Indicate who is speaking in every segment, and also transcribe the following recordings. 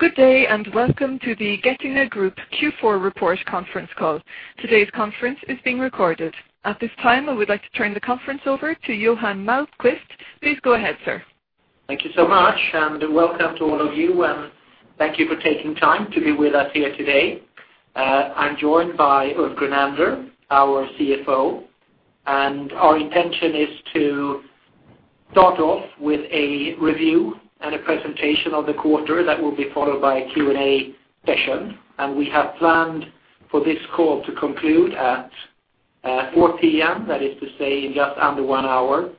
Speaker 1: Good day, and welcome to the Getinge Group Q4 Report conference call. Today's conference is being recorded. At this time, I would like to turn the conference over to Johan Malmquist. Please go ahead, sir.
Speaker 2: Thank you so much, and welcome to all of you, and thank you for taking time to be with us here today. I'm joined by Ulf Grunander, our CFO, and our intention is to start off with a review and a presentation of the quarter that will be followed by a Q&A session. We have planned for this call to conclude at 4:00 P.M., that is to say, in just under one hour.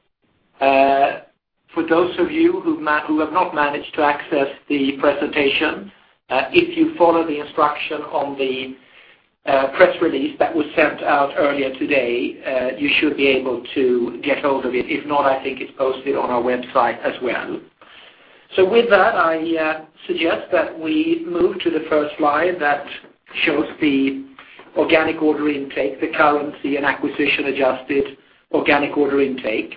Speaker 2: For those of you who have not managed to access the presentation, if you follow the instruction on the press release that was sent out earlier today, you should be able to get hold of it. If not, I think it's posted on our website as well. So with that, I suggest that we move to the first slide that shows the organic order intake, the currency and acquisition-adjusted organic order intake.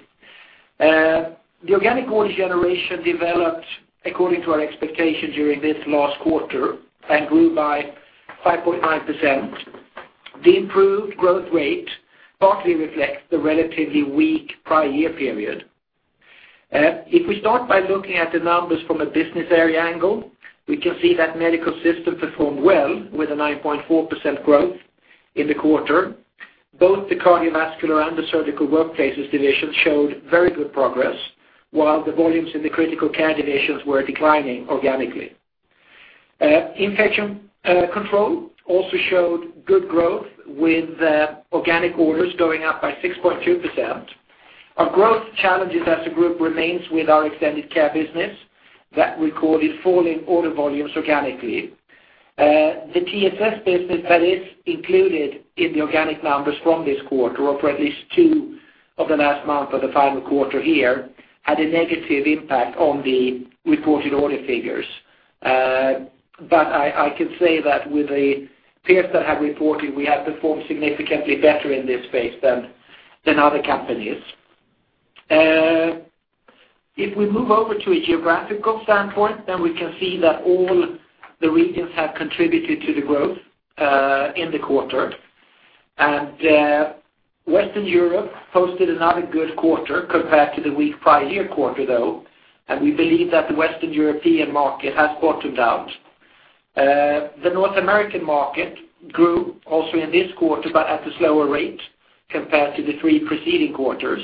Speaker 2: The organic order generation developed according to our expectation during this last quarter and grew by 5.5%. The improved growth rate partly reflects the relatively weak prior year period. If we start by looking at the numbers from a business area angle, we can see that Medical Systems performed well with a 9.4% growth in the quarter. Both the Cardiovascular and the Surgical Workplaces division showed very good progress, while the volumes in the Critical Care divisions were declining organically. Infection Control also showed good growth with organic orders going up by 6.2%. Our growth challenges as a group remains with our Extended Care business that recorded falling order volumes organically. The TSS business that is included in the organic numbers from this quarter, or for at least two of the last month of the final quarter here, had a negative impact on the reported order figures. But I, I can say that with the peers that have reported, we have performed significantly better in this space than, than other companies. If we move over to a geographical standpoint, then we can see that all the regions have contributed to the growth in the quarter. And Western Europe posted another good quarter compared to the weak prior year quarter, though, and we believe that the Western European market has bottomed out. The North American market grew also in this quarter, but at a slower rate compared to the three preceding quarters.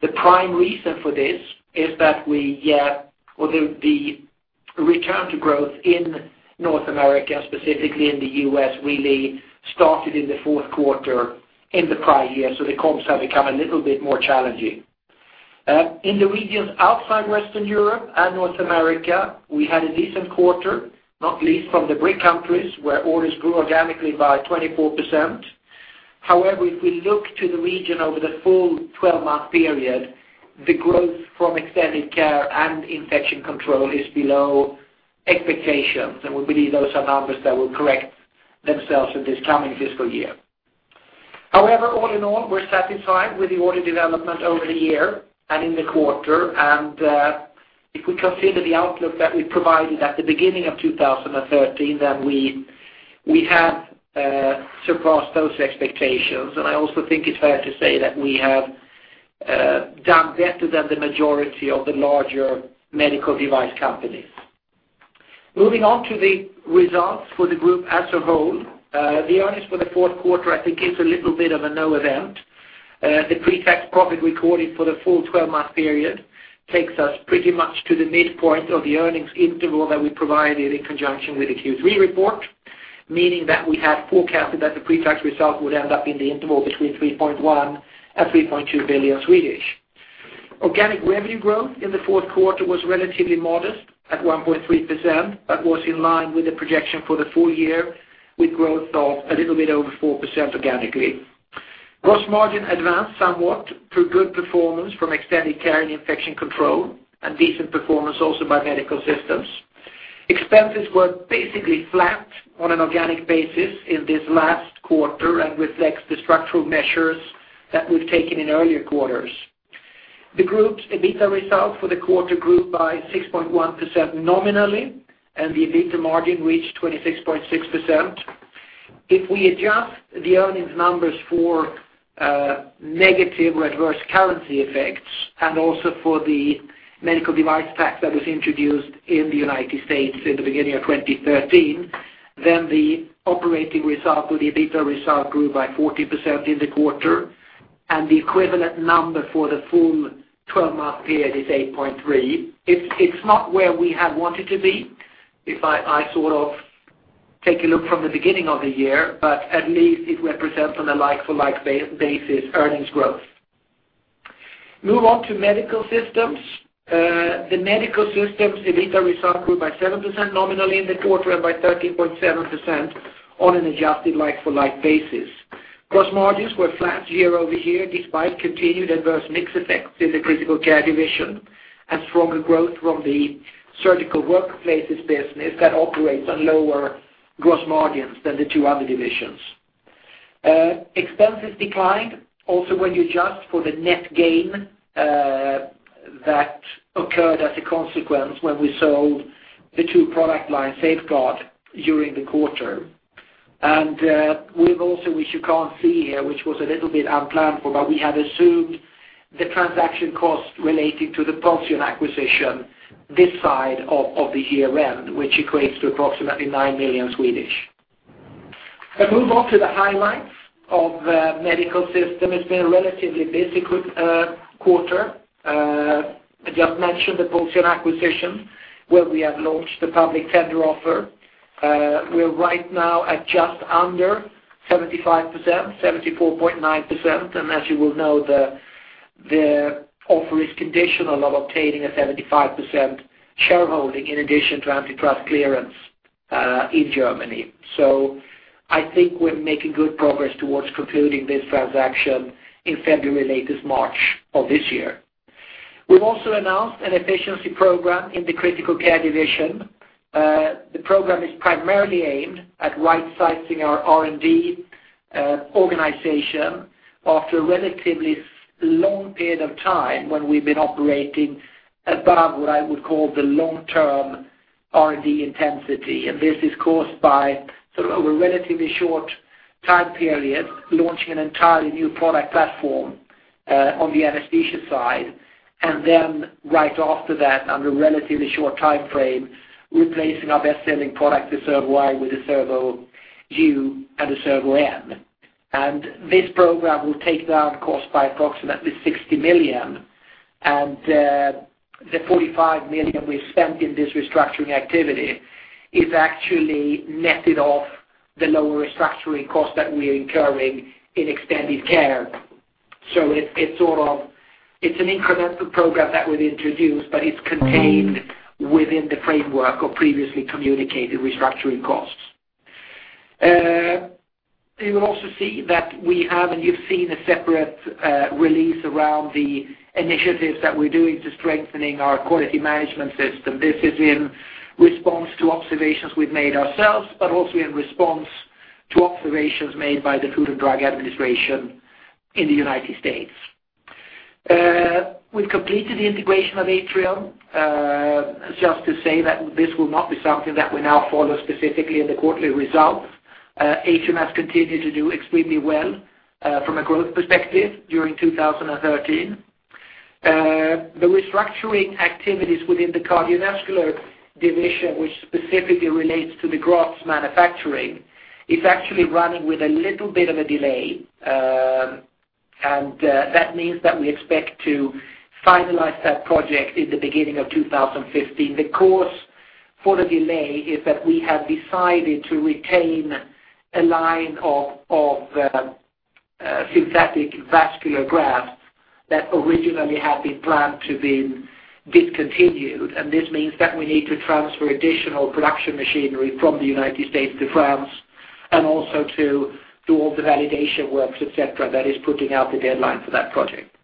Speaker 2: The prime reason for this is that we, well, the return to growth in North America, specifically in the U.S., really started in the fourth quarter in the prior year, so the comps have become a little bit more challenging. In the regions outside Western Europe and North America, we had a decent quarter, not least from the BRIC countries, where orders grew organically by 24%. However, if we look to the region over the full 12-month period, the growth from Extended Care and Infection Control is below expectations, and we believe those are numbers that will correct themselves in this coming fiscal year. However, all in all, we're satisfied with the order development over the year and in the quarter, and if we consider the outlook that we provided at the beginning of 2013, then we have surpassed those expectations. I also think it's fair to say that we have done better than the majority of the larger medical device companies. Moving on to the results for the group as a whole. The earnings for the fourth quarter, I think, is a little bit of a non-event. The pre-tax profit recorded for the full 12-month period takes us pretty much to the midpoint of the earnings interval that we provided in conjunction with the Q3 report, meaning that we had forecasted that the pre-tax result would end up in the interval between 3.1 billion and 3.2 billion Swedish. Organic revenue growth in the fourth quarter was relatively modest at 1.3%, but was in line with the projection for the full-year, with growth of a little bit over 4% organically. Gross margin advanced somewhat through good performance from Extended Care and Infection Control, and decent performance also by Medical Systems. Expenses were basically flat on an organic basis in this last quarter and reflects the structural measures that we've taken in earlier quarters. The group's EBITDA result for the quarter grew by 6.1% nominally, and the EBITDA margin reached 26.6%. If we adjust the earnings numbers for negative or adverse currency effects and also for the medical device tax that was introduced in the United States in the beginning of 2013, then the operating result or the EBITDA result grew by 40% in the quarter, and the equivalent number for the full 12-month period is 8.3%. It's, it's not where we have wanted to be, if I, I sort of take a look from the beginning of the year, but at least it represents on a like-for-like basis, earnings growth. Move on to Medical Systems. The Medical Systems EBITDA result grew by 7% nominally in the quarter and by 13.7% on an adjusted like-for-like basis. Gross margins were flat year-over-year, despite continued adverse mix effects in the critical care division and stronger growth from the surgical workplaces business that operates on lower gross margins than the two other divisions. Expenses declined also when you adjust for the net gain that occurred as a consequence when we sold the two product lines, Safeguard, during the quarter. And we've also, which you can't see here, which was a little bit unplanned for, but we had assumed the transaction costs relating to the Pulsion acquisition this side of the year end, which equates to approximately 9 million. I move on to the highlights of the Medical Systems. It's been a relatively busy quarter. I just mentioned the Pulsion acquisition, where we have launched the public tender offer. We're right now at just under 75%, 74.9%, and as you well know, the offer is conditional on obtaining a 75% shareholding, in addition to antitrust clearance in Germany. So I think we're making good progress towards concluding this transaction in February, latest March of this year. We've also announced an efficiency program in the critical care division. The program is primarily aimed at right-sizing our R&D organization, after a relatively long period of time when we've been operating above what I would call the long-term R&D intensity. And this is caused by, sort of, over a relatively short time period, launching an entirely new product platform on the anesthesia side, and then right after that, on a relatively short time frame, replacing our best-selling product, the Servo-i, with a Servo-u and a Servo-n. This program will take down costs by approximately 60 million, and the 45 million we've spent in this restructuring activity is actually netted off the lower restructuring costs that we are incurring in Extended Care. So it's sort of an incremental program that we've introduced, but it's contained within the framework of previously communicated restructuring costs. You will also see that we have, and you've seen a separate release around the initiatives that we're doing to strengthening our quality management system. This is in response to observations we've made ourselves, but also in response to observations made by the Food and Drug Administration in the United States. We've completed the integration of Atrium. Just to say that this will not be something that we now follow specifically in the quarterly results. Atrium has continued to do extremely well from a growth perspective during 2013. The restructuring activities within the cardiovascular division, which specifically relates to the grafts manufacturing, is actually running with a little bit of a delay. That means that we expect to finalize that project in the beginning of 2015. The cause for the delay is that we have decided to retain a line of synthetic vascular grafts that originally had been planned to been discontinued. This means that we need to transfer additional production machinery from the United States to France, and also to do all the validation works, et cetera, that is putting out the deadline for that project.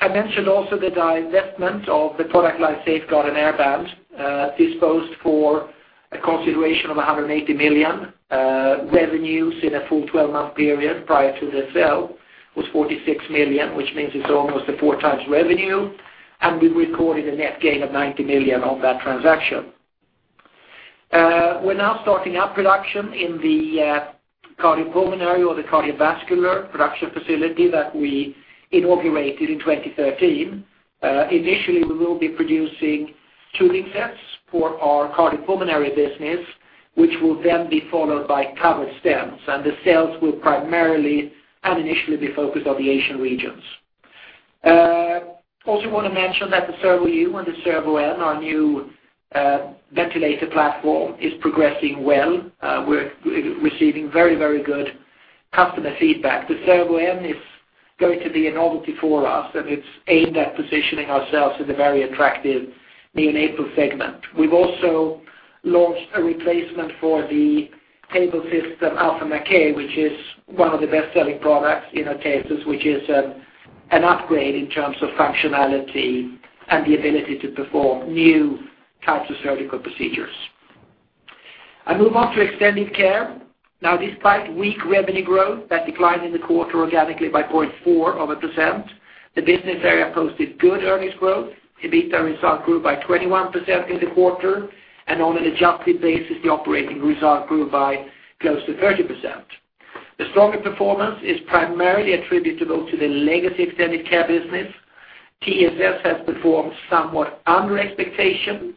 Speaker 2: I mentioned also the divestment of the product line, Safeguard and Air-Band, disposed for a consideration of 180 million. Revenues in a full 12-month period prior to the sale was 46 million, which means it's almost a 4 times revenue, and we recorded a net gain of 90 million on that transaction. We're now starting up production in the cardiopulmonary or the cardiovascular production facility that we inaugurated in 2013. Initially, we will be producing tubing sets for our cardiopulmonary business, which will then be followed by covered stents, and the sales will primarily and initially be focused on the Asian regions. Also want to mention that the Servo-u and the Servo-n, our new ventilator platform, is progressing well. We're receiving very, very good customer feedback. The Servo-n is going to be a novelty for us, and it's aimed at positioning ourselves in a very attractive neonatal segment. We've also launched a replacement for the table system, ALPHAMAXX, which is one of the best-selling products in our cases, which is an upgrade in terms of functionality and the ability to perform new types of surgical procedures. I move on to Extended Care. Now, despite weak revenue growth, that declined in the quarter organically by 0.4%, the business area posted good earnings growth. EBITDA result grew by 21% in the quarter, and on an adjusted basis, the operating result grew by close to 30%. The stronger performance is primarily attributable to the legacy Extended Care business. TSS has performed somewhat under expectation,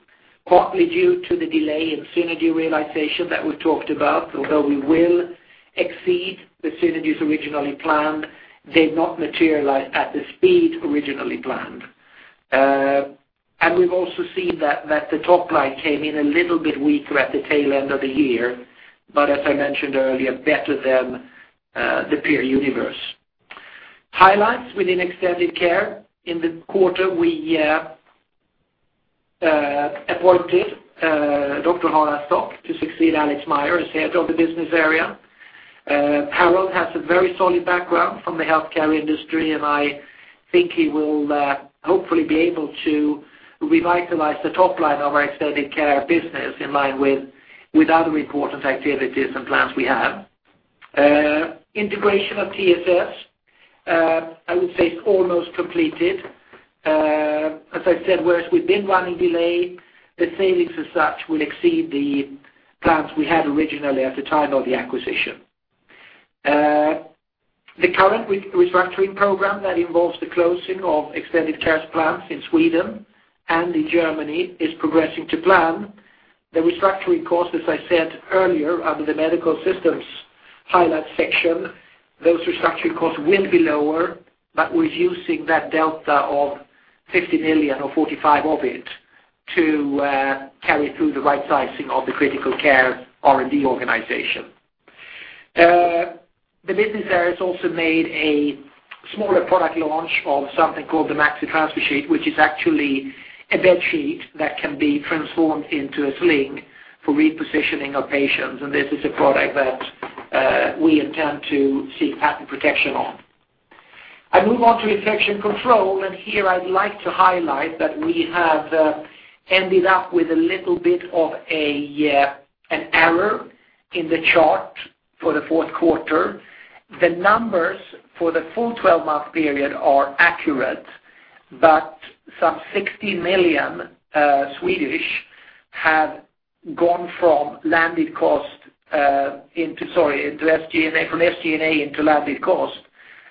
Speaker 2: partly due to the delay in synergy realization that we've talked about. Although we will exceed the synergies originally planned, they've not materialized at the speed originally planned. We've also seen that the top line came in a little bit weaker at the tail end of the year, but as I mentioned earlier, better than the peer universe. Highlights within Extended Care. In the quarter, we appointed Dr. Harald Stock to succeed Alex Myers as head of the business area. Harald has a very solid background from the healthcare industry, and I think he will hopefully be able to revitalize the top line of our Extended Care business in line with other important activities and plans we have. Integration of TSS, I would say it's almost completed. As I said, whereas we've been running delayed, the savings as such will exceed the plans we had originally at the time of the acquisition. The current restructuring program that involves the closing of Extended Care plants in Sweden and in Germany is progressing to plan. The restructuring costs, as I said earlier, under the Medical Systems highlight section, those restructuring costs will be lower, but we're using that delta of 50 million or 45 million of it to carry through the right sizing of the critical care R&D organization. The business there has also made a smaller product launch of something called the Maxi Transfer Sheet, which is actually a bed sheet that can be transformed into a sling for repositioning of patients, and this is a product that we intend to seek patent protection on. I move on to Infection Control, and here I'd like to highlight that we have ended up with a little bit of an error in the chart for the fourth quarter. The numbers for the full twelve-month period are accurate, but some 60 million have gone from landed cost, sorry, into SG&A, from SG&A into landed cost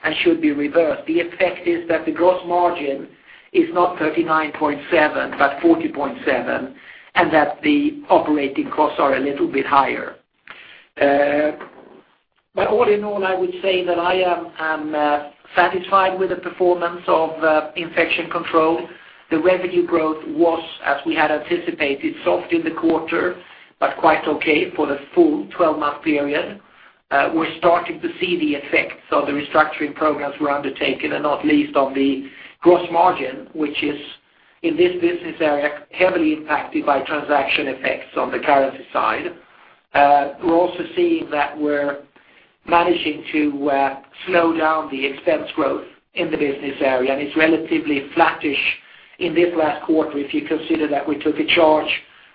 Speaker 2: and should be reversed. The effect is that the gross margin is not 39.7%, but 40.7%, and that the operating costs are a little bit higher. But all in all, I would say that I am satisfied with the performance of Infection Control. The revenue growth was, as we had anticipated, soft in the quarter, but quite okay for the full twelve-month period. We're starting to see the effects of the restructuring programs we're undertaking, and not least on the gross margin, which is, in this business area, heavily impacted by transaction effects on the currency side. We're also seeing that we're managing to slow down the expense growth in the business area, and it's relatively flattish in this last quarter, if you consider that we took a charge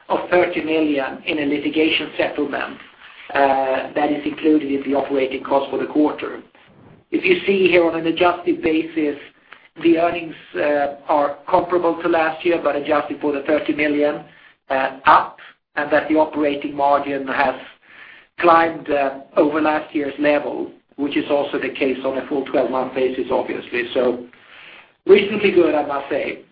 Speaker 2: of 30 million in a litigation settlement, that is included in the operating cost for the quarter. If you see here on an adjusted basis, the earnings are comparable to last year, but adjusted for the 30 million, up, and that the operating margin has climbed over last year's level, which is also the case on a full twelve-month basis, obviously. So reasonably good, I must say.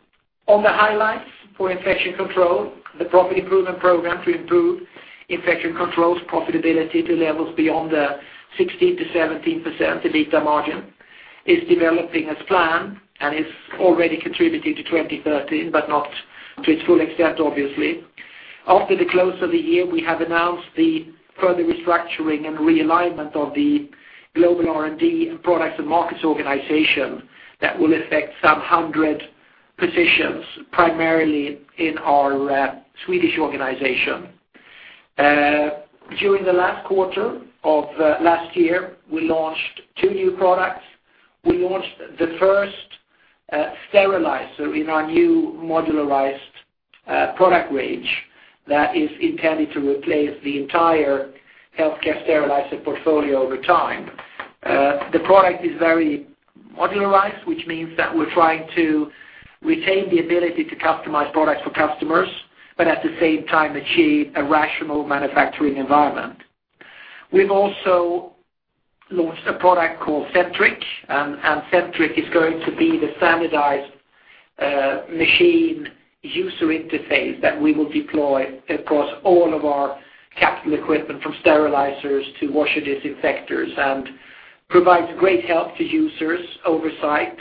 Speaker 2: On the highlights for Infection Control, the property improvement program to improve Infection Control's profitability to levels beyond the 16%-17%, the EBITDA margin, is developing as planned and is already contributing to 2013, but not to its full extent, obviously. After the close of the year, we have announced the further restructuring and realignment of the global R&D products and markets organization that will affect some 100 positions, primarily in our Swedish organization. During the last quarter of last year, we launched two new products. We launched the first sterilizer in our new modularized product range that is intended to replace the entire healthcare sterilizer portfolio over time. The product is very modularized, which means that we're trying to retain the ability to customize products for customers, but at the same time, achieve a rational manufacturing environment. We've also launched a product called Centric, and Centric is going to be the standardized machine user interface that we will deploy across all of our capital equipment, from sterilizers to washer disinfectors, and provides great help to users oversight,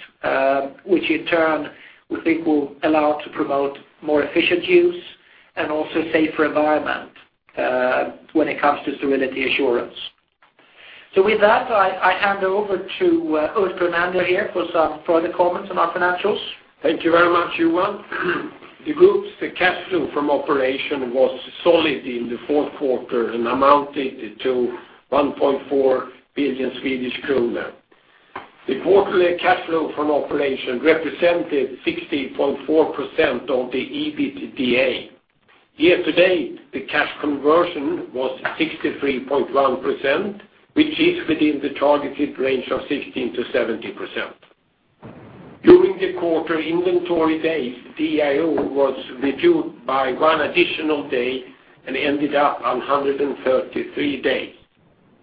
Speaker 2: which in turn, we think will allow to promote more efficient use and also safer environment, when it comes to sterility assurance. So with that, I hand over to Ulf Grunander here for some further comments on our financials.
Speaker 3: Thank you very much, Johan. The group's, the cash flow from operation was solid in the fourth quarter and amounted to 1.4 billion Swedish kronor. The quarterly cash flow from operation represented 60.4% of the EBITDA. Year-to-date, the cash conversion was 63.1%, which is within the targeted range of 16%-70%. During the quarter, inventory days, DIO, was reduced by 1 additional day and ended up on 133 days.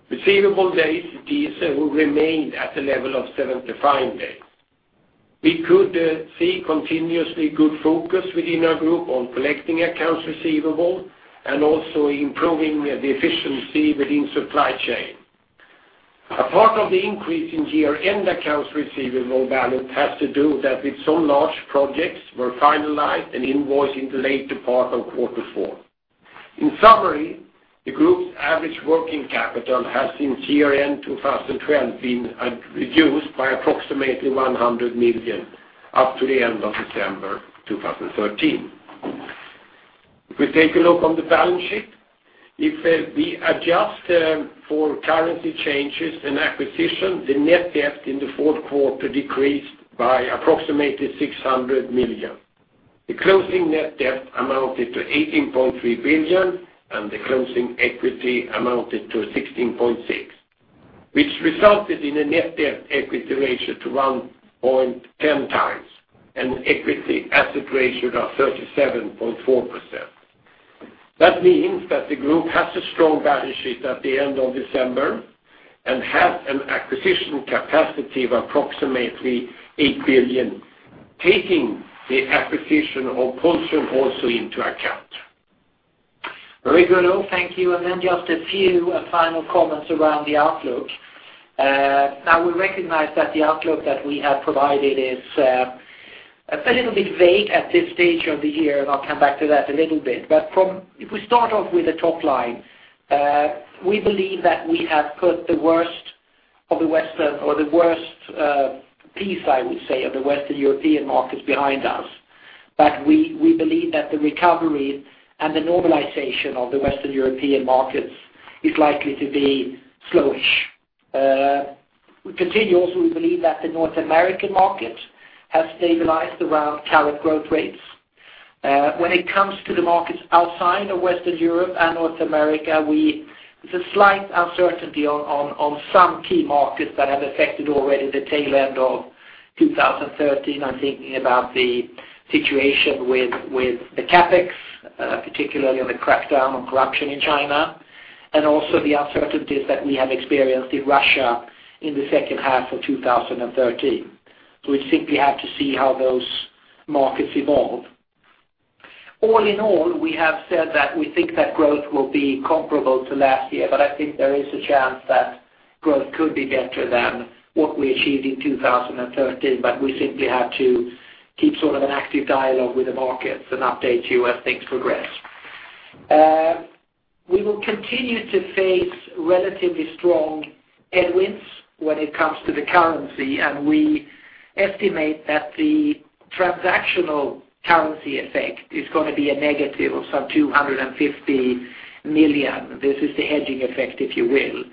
Speaker 3: Receivable days, DSO, remained at the level of 75 days. We could see continuously good focus within our group on collecting accounts receivable and also improving the efficiency within supply chain. A part of the increase in year-end accounts receivable balance has to do that with some large projects were finalized and invoiced in the late part of quarter four. In summary, the group's average working capital has, in year-end 2012, been reduced by approximately 100 million up to the end of December 2013. If we take a look on the balance sheet, if we adjust for currency changes and acquisition, the net debt in the fourth quarter decreased by approximately 600 million. The closing net debt amounted to 18.3 billion, and the closing equity amounted to 16.6 billion, which resulted in a net debt equity ratio to 1.10 times, and equity asset ratio of 37.4%. That means that the group has a strong balance sheet at the end of December, and has an acquisition capacity of approximately 8 billion, taking the acquisition of Pulsion also into account.
Speaker 2: Very good, Ulf, thank you. Then just a few final comments around the outlook. Now we recognize that the outlook that we have provided is a little bit vague at this stage of the year, and I'll come back to that a little bit. But if we start off with the top line, we believe that we have put the worst of the Western or the worst piece, I would say, of the Western European markets behind us. But we believe that the recovery and the normalization of the Western European markets is likely to be slowish. We continue also, we believe that the North American market has stabilized around current growth rates. When it comes to the markets outside of Western Europe and North America, we, there's a slight uncertainty on some key markets that have affected already the tail end of 2013. I'm thinking about the situation with the CapEx, particularly on the crackdown on corruption in China, and also the uncertainties that we have experienced in Russia in the second half of 2013. We simply have to see how those markets evolve. All in all, we have said that we think that growth will be comparable to last year, but I think there is a chance that growth could be better than what we achieved in 2013, but we simply have to keep sort of an active dialogue with the markets and update you as things progress. We will continue to face relatively strong headwinds when it comes to the currency, and we estimate that the transactional currency effect is going to be a negative of some 250 million. This is the hedging effect, if you will.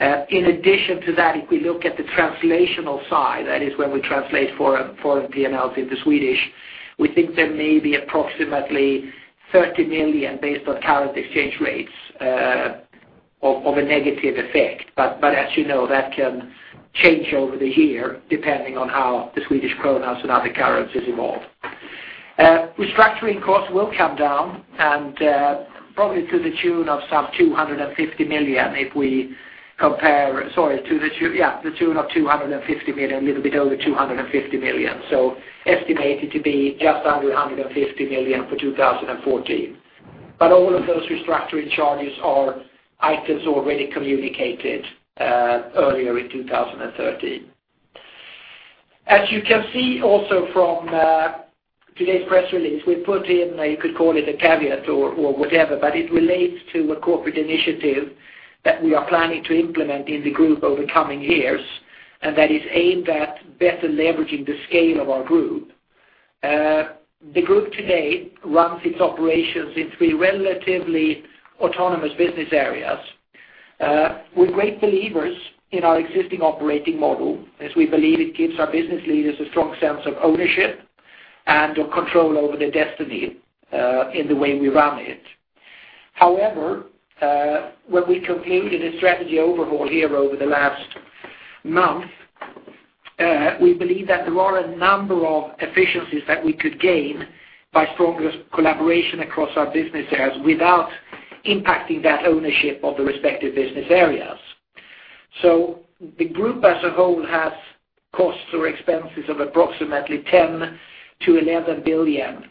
Speaker 2: In addition to that, if we look at the translational side, that is when we translate foreign, foreign PNLs into Swedish, we think there may be approximately 30 million based on current exchange rates, of, of a negative effect. But, but as you know, that can change over the year, depending on how the Swedish krona and other currencies evolve. Restructuring costs will come down, and, uh, probably to the tune of some 250 million, if we compare—sorry, to the tune, yeah, the tune of 250 million, a little bit over 250 million. Estimated to be just under 150 million for 2014. But all of those restructuring charges are items already communicated earlier in 2013. As you can see also from today's press release, we put in, you could call it a caveat or whatever, but it relates to a corporate initiative that we are planning to implement in the group over coming years, and that is aimed at better leveraging the scale of our group. The group today runs its operations in three relatively autonomous business areas. We're great believers in our existing operating model, as we believe it gives our business leaders a strong sense of ownership and of control over their destiny in the way we run it. However, when we concluded a strategy overhaul here over the last month, we believe that there are a number of efficiencies that we could gain by stronger collaboration across our business areas without impacting that ownership of the respective business areas. So the group as a whole has costs or expenses of approximately 10-11 billion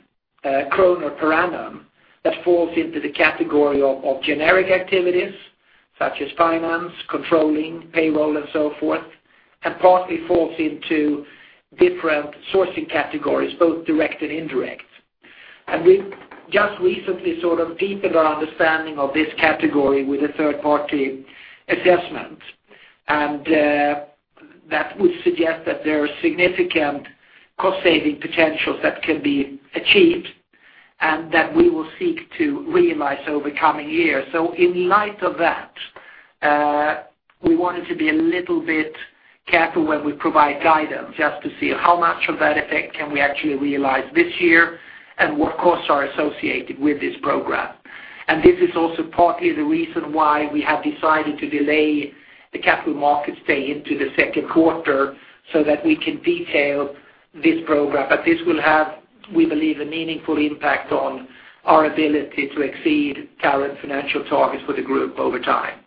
Speaker 2: kronor per annum that falls into the category of generic activities, such as finance, controlling, payroll, and so forth, and partly falls into different sourcing categories, both direct and indirect. And we've just recently sort of deepened our understanding of this category with a third-party assessment. And that would suggest that there are significant cost-saving potentials that can be achieved and that we will seek to realize over coming years. So in light of that, we wanted to be a little bit careful when we provide guidance, just to see how much of that effect can we actually realize this year, and what costs are associated with this program. This is also partly the reason why we have decided to delay the Capital Markets Day into the second quarter, so that we can detail this program. But this will have, we believe, a meaningful impact on our ability to exceed current financial targets for the group over time.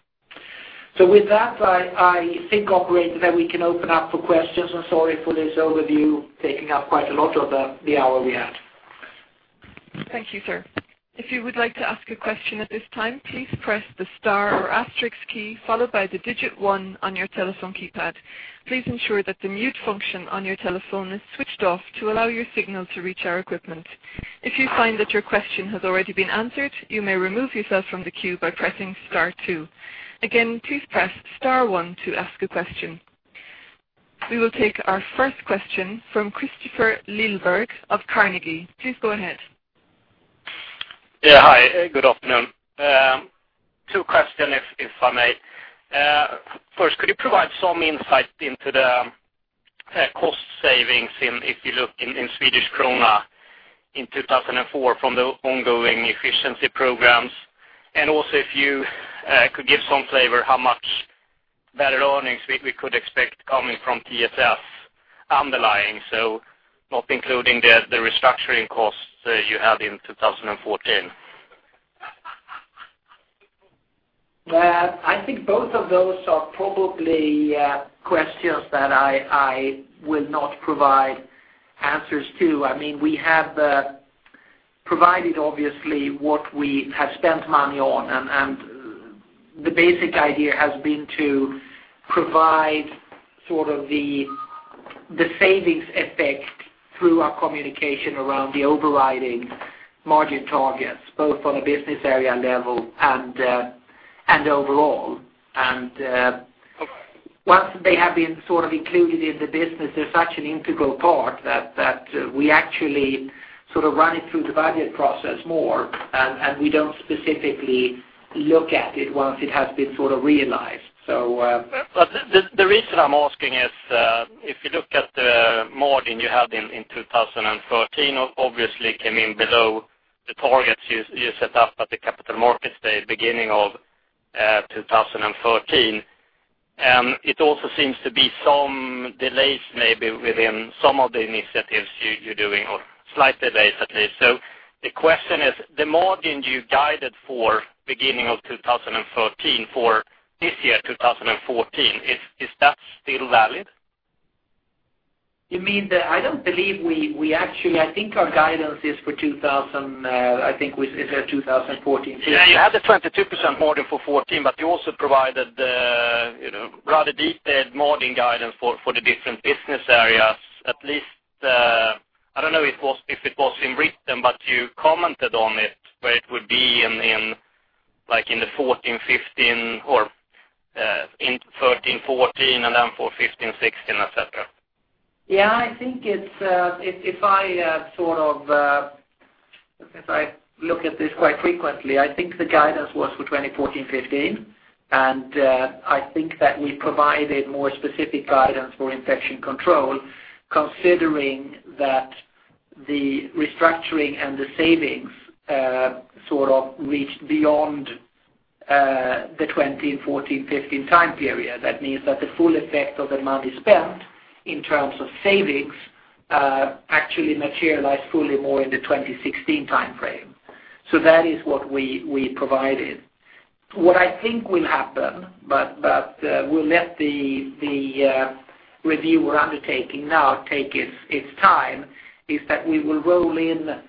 Speaker 2: With that, I think, operators, that we can open up for questions. I'm sorry for this overview, taking up quite a lot of the hour we had.
Speaker 1: Thank you, sir. If you would like to ask a question at this time, please press the star or asterisk key, followed by the digit one on your telephone keypad. Please ensure that the mute function on your telephone is switched off to allow your signal to reach our equipment. If you find that your question has already been answered, you may remove yourself from the queue by pressing star two. Again, please press star one to ask a question.... We will take our first question from Kristofer Liljeberg of Carnegie. Please go ahead.
Speaker 4: Yeah, hi, good afternoon. Two questions, if I may. First, could you provide some insight into the cost savings in, if you look in, in Swedish krona in 2004 from the ongoing efficiency programs? And also, if you could give some flavor, how much better earnings we could expect coming from TSS underlying, so not including the restructuring costs that you had in 2014.
Speaker 2: I think both of those are probably questions that I will not provide answers to. I mean, we have provided, obviously, what we have spent money on, and the basic idea has been to provide sort of the savings effect through our communication around the overriding margin targets, both on a business area level and overall. Once they have been sort of included in the business, they're such an integral part that we actually sort of run it through the budget process more, and we don't specifically look at it once it has been sort of realized. So,
Speaker 4: But the reason I'm asking is, if you look at the margin you had in 2013, obviously came in below the targets you set up at the capital markets day, beginning of 2013. And it also seems to be some delays, maybe within some of the initiatives you're doing, or slight delays at least. So the question is, the margin you guided for beginning of 2013 for this year, 2014, is that still valid?
Speaker 2: You mean the, I don't believe we actually, I think our guidance is for 2000, I think we said 2014.
Speaker 4: Yeah, you had the 22% margin for 2014, but you also provided the, you know, rather detailed margin guidance for, for the different business areas. At least, I don't know if it was, if it was in written, but you commented on it, where it would be in, in, like, in the 2014, 2015 or, in 2013, 2014, and then for 2015, 2016, et cetera.
Speaker 2: Yeah, I think it's, if, if I sort of, if I look at this quite frequently, I think the guidance was for 2014-2015. And, I think that we provided more specific guidance for Infection Control, considering that the restructuring and the savings sort of reached beyond the 2014-2015 time period. That means that the full effect of the money spent in terms of savings actually materialized fully more in the 2016 time frame. So that is what we, we provided. What I think will happen, but we'll let the review we're undertaking now take its time, is that we will roll in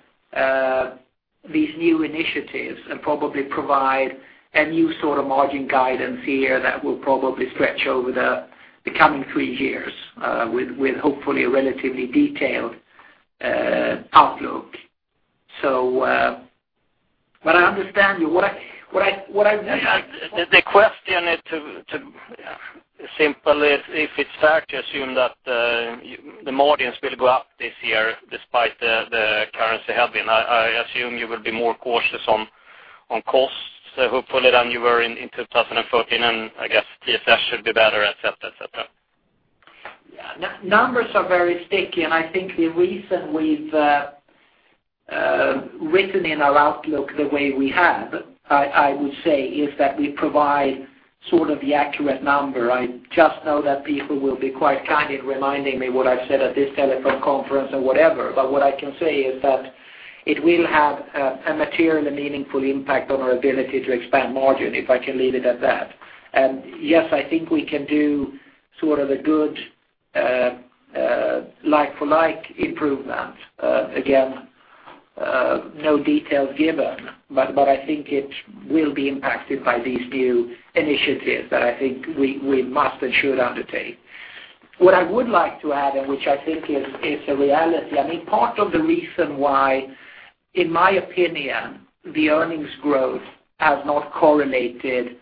Speaker 2: these new initiatives and probably provide a new sort of margin guidance here that will probably stretch over the coming three years, with hopefully a relatively detailed outlook. So, but I understand you. What I would like-
Speaker 4: The question is simply if it's fair to assume that the margins will go up this year despite the currency helping. I assume you will be more cautious on costs, hopefully, than you were in 2013, and I guess TSS should be better, et cetera, et cetera.
Speaker 2: Yeah, numbers are very sticky, and I think the reason we've written in our outlook the way we have, I would say, is that we provide sort of the accurate number. I just know that people will be quite kind in reminding me what I've said at this telephone conference or whatever. But what I can say is that it will have a material and a meaningful impact on our ability to expand margin, if I can leave it at that. And yes, I think we can do sort of a good like for like improvement. Again, no details given, but I think it will be impacted by these new initiatives that I think we must and should undertake. What I would like to add, and which I think is a reality, I mean, part of the reason why, in my opinion, the earnings growth has not correlated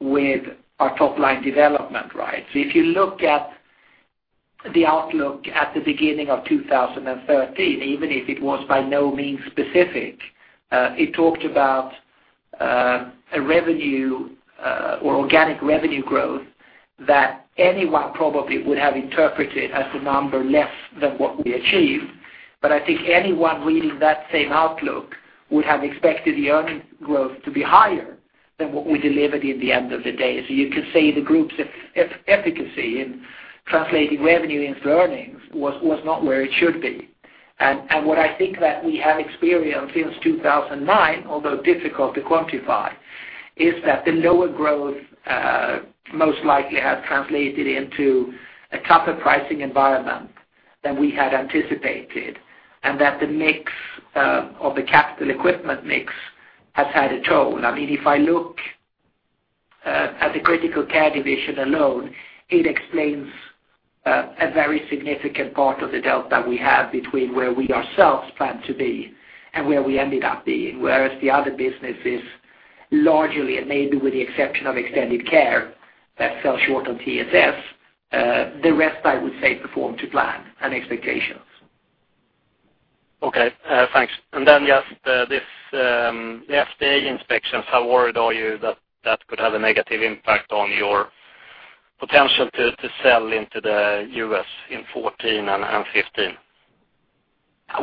Speaker 2: with our top line development, right? So if you look at the outlook at the beginning of 2013, even if it was by no means specific, it talked about a revenue, or organic revenue growth that anyone probably would have interpreted as a number less than what we achieved. But I think anyone reading that same outlook would have expected the earnings growth to be higher than what we delivered in the end of the day. So you can say the group's efficacy in translating revenue into earnings was not where it should be. What I think that we have experienced since 2009, although difficult to quantify, is that the lower growth most likely has translated into a tougher pricing environment than we had anticipated, and that the mix, or the capital equipment mix, has had a toll. I mean, if I look at the critical care division alone, it explains a very significant part of the delta we have between where we ourselves planned to be and where we ended up being, whereas the other businesses largely, and maybe with the exception of Extended Care, that fell short on TSS, the rest, I would say, performed to plan and expectations.
Speaker 4: Okay, thanks. Then just this, the FDA inspections, how worried are you that that could have a negative impact on your potential to, to sell into the U.S. in 2014 and 2015?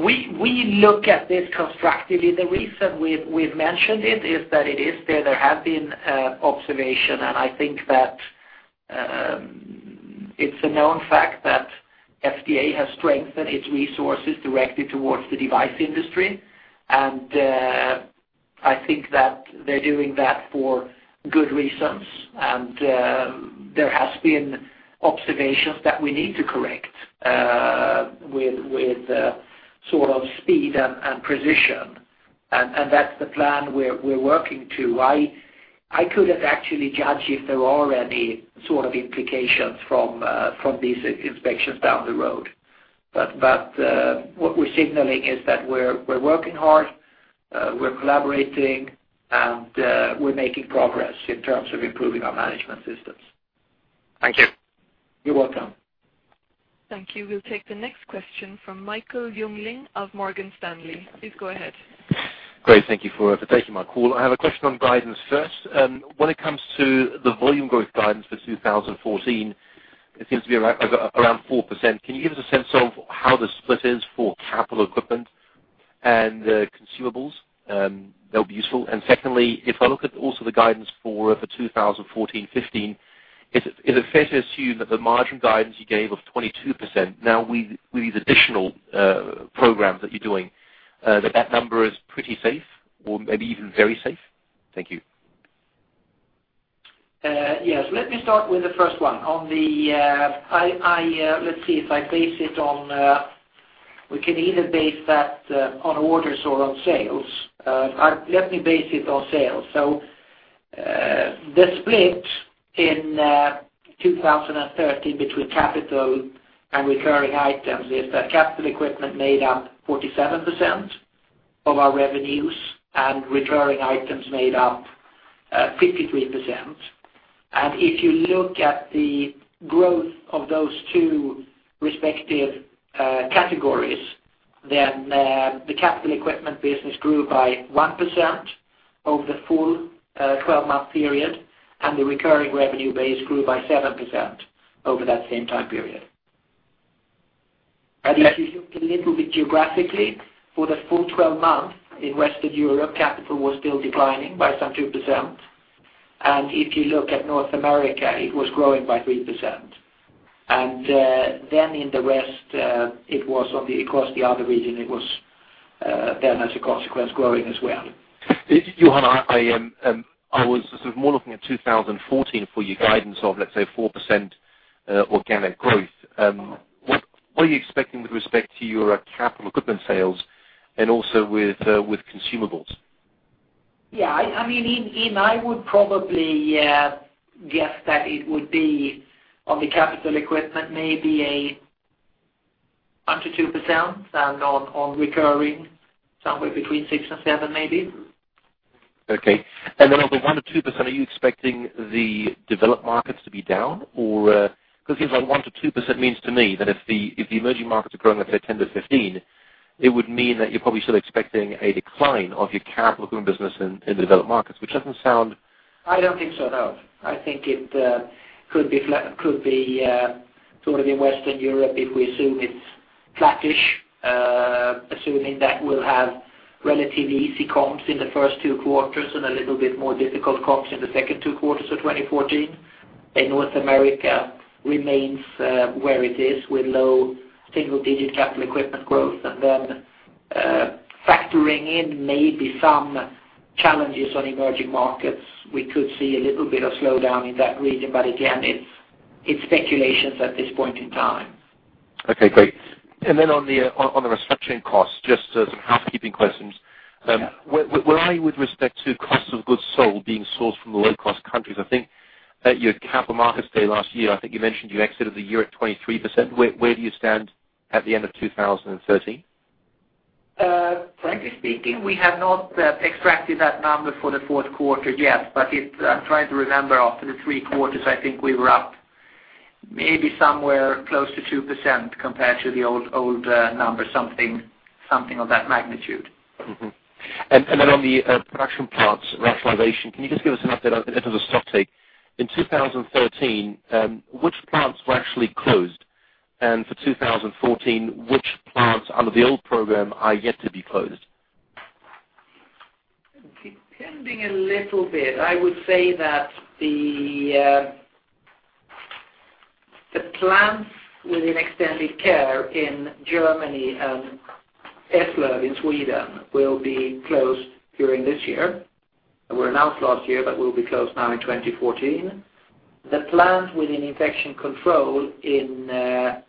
Speaker 2: We look at this constructively. The reason we've mentioned it is that it is there. There have been observation, and I think that it's a known fact that FDA has strengthened its resources directly towards the device industry. I think that they're doing that for good reasons, and there has been observations that we need to correct with sort of speed and precision. That's the plan we're working to. I couldn't actually judge if there are any sort of implications from these inspections down the road. But what we're signaling is that we're working hard, we're collaborating, and we're making progress in terms of improving our management systems.
Speaker 4: Thank you.
Speaker 2: You're welcome.
Speaker 1: Thank you. We'll take the next question from Michael Jungling of Morgan Stanley. Please go ahead.
Speaker 5: Great, thank you for taking my call. I have a question on guidance first. When it comes to the volume growth guidance for 2014, it seems to be around 4%. Can you give us a sense of how the split is for capital equipment and consumables? That would be useful. And secondly, if I look at also the guidance for 2014, 2015, is it fair to assume that the margin guidance you gave of 22%, now with these additional programs that you're doing, that number is pretty safe or maybe even very safe? Thank you.
Speaker 2: Yes. Let me start with the first one. On the, let's see, if I base it on, we can either base that on orders or on sales. Let me base it on sales. So, the split in 2013 between capital and recurring items is that capital equipment made up 47% of our revenues, and recurring items made up 53%. And if you look at the growth of those two respective categories, then the capital equipment business grew by 1% over the full 12-month period, and the recurring revenue base grew by 7% over that same time period. If you look a little bit geographically, for the full 12 months in Western Europe, capital was still declining by some 2%, and if you look at North America, it was growing by 3%. Then in the West, it was on the, across the other region, it was, then as a consequence, growing as well.
Speaker 5: Johan, I was sort of more looking at 2014 for your guidance of, let's say, 4% organic growth. What are you expecting with respect to your capital equipment sales and also with consumables?
Speaker 2: Yeah, I mean, I would probably guess that it would be on the capital equipment, maybe 1%-2%, and on recurring, somewhere between 6% and 7%, maybe.
Speaker 5: Okay. And then on the 1%-2%, are you expecting the developed markets to be down? Or, because it's like 1%-2% means to me that if the, if the emerging markets are growing, let's say, 10-15, it would mean that you're probably still expecting a decline of your capital equipment business in, in the developed markets, which doesn't sound-
Speaker 2: I don't think so, no. I think it could be flat, could be sort of in Western Europe, if we assume it's flattish, assuming that we'll have relatively easy comps in the first two quarters and a little bit more difficult comps in the second two quarters of 2014. In North America, remains where it is with low single-digit capital equipment growth. And then, factoring in maybe some challenges on emerging markets, we could see a little bit of slowdown in that region, but again, it's, it's speculations at this point in time.
Speaker 5: Okay, great. And then on the restructuring costs, just some housekeeping questions.
Speaker 2: Yeah.
Speaker 5: Where are you with respect to cost of goods sold being sourced from the low-cost countries? I think at your Capital Markets Day last year, I think you mentioned you exited the year at 23%. Where, where do you stand at the end of 2013?
Speaker 2: Frankly speaking, we have not extracted that number for the fourth quarter yet, but it-- I'm trying to remember. After the three quarters, I think we were up maybe somewhere close to 2% compared to the old, old number, of that magnitude.
Speaker 5: Mm-hmm. And then on the production parts rationalization, can you just give us an update, a little stock take? In 2013, which plants were actually closed, and for 2014, which plants under the old program are yet to be closed?
Speaker 2: Depending a little bit, I would say that the plants within Extended Care in Germany and Eslöv in Sweden will be closed during this year. They were announced last year, but will be closed now in 2014. The plants within Infection Control in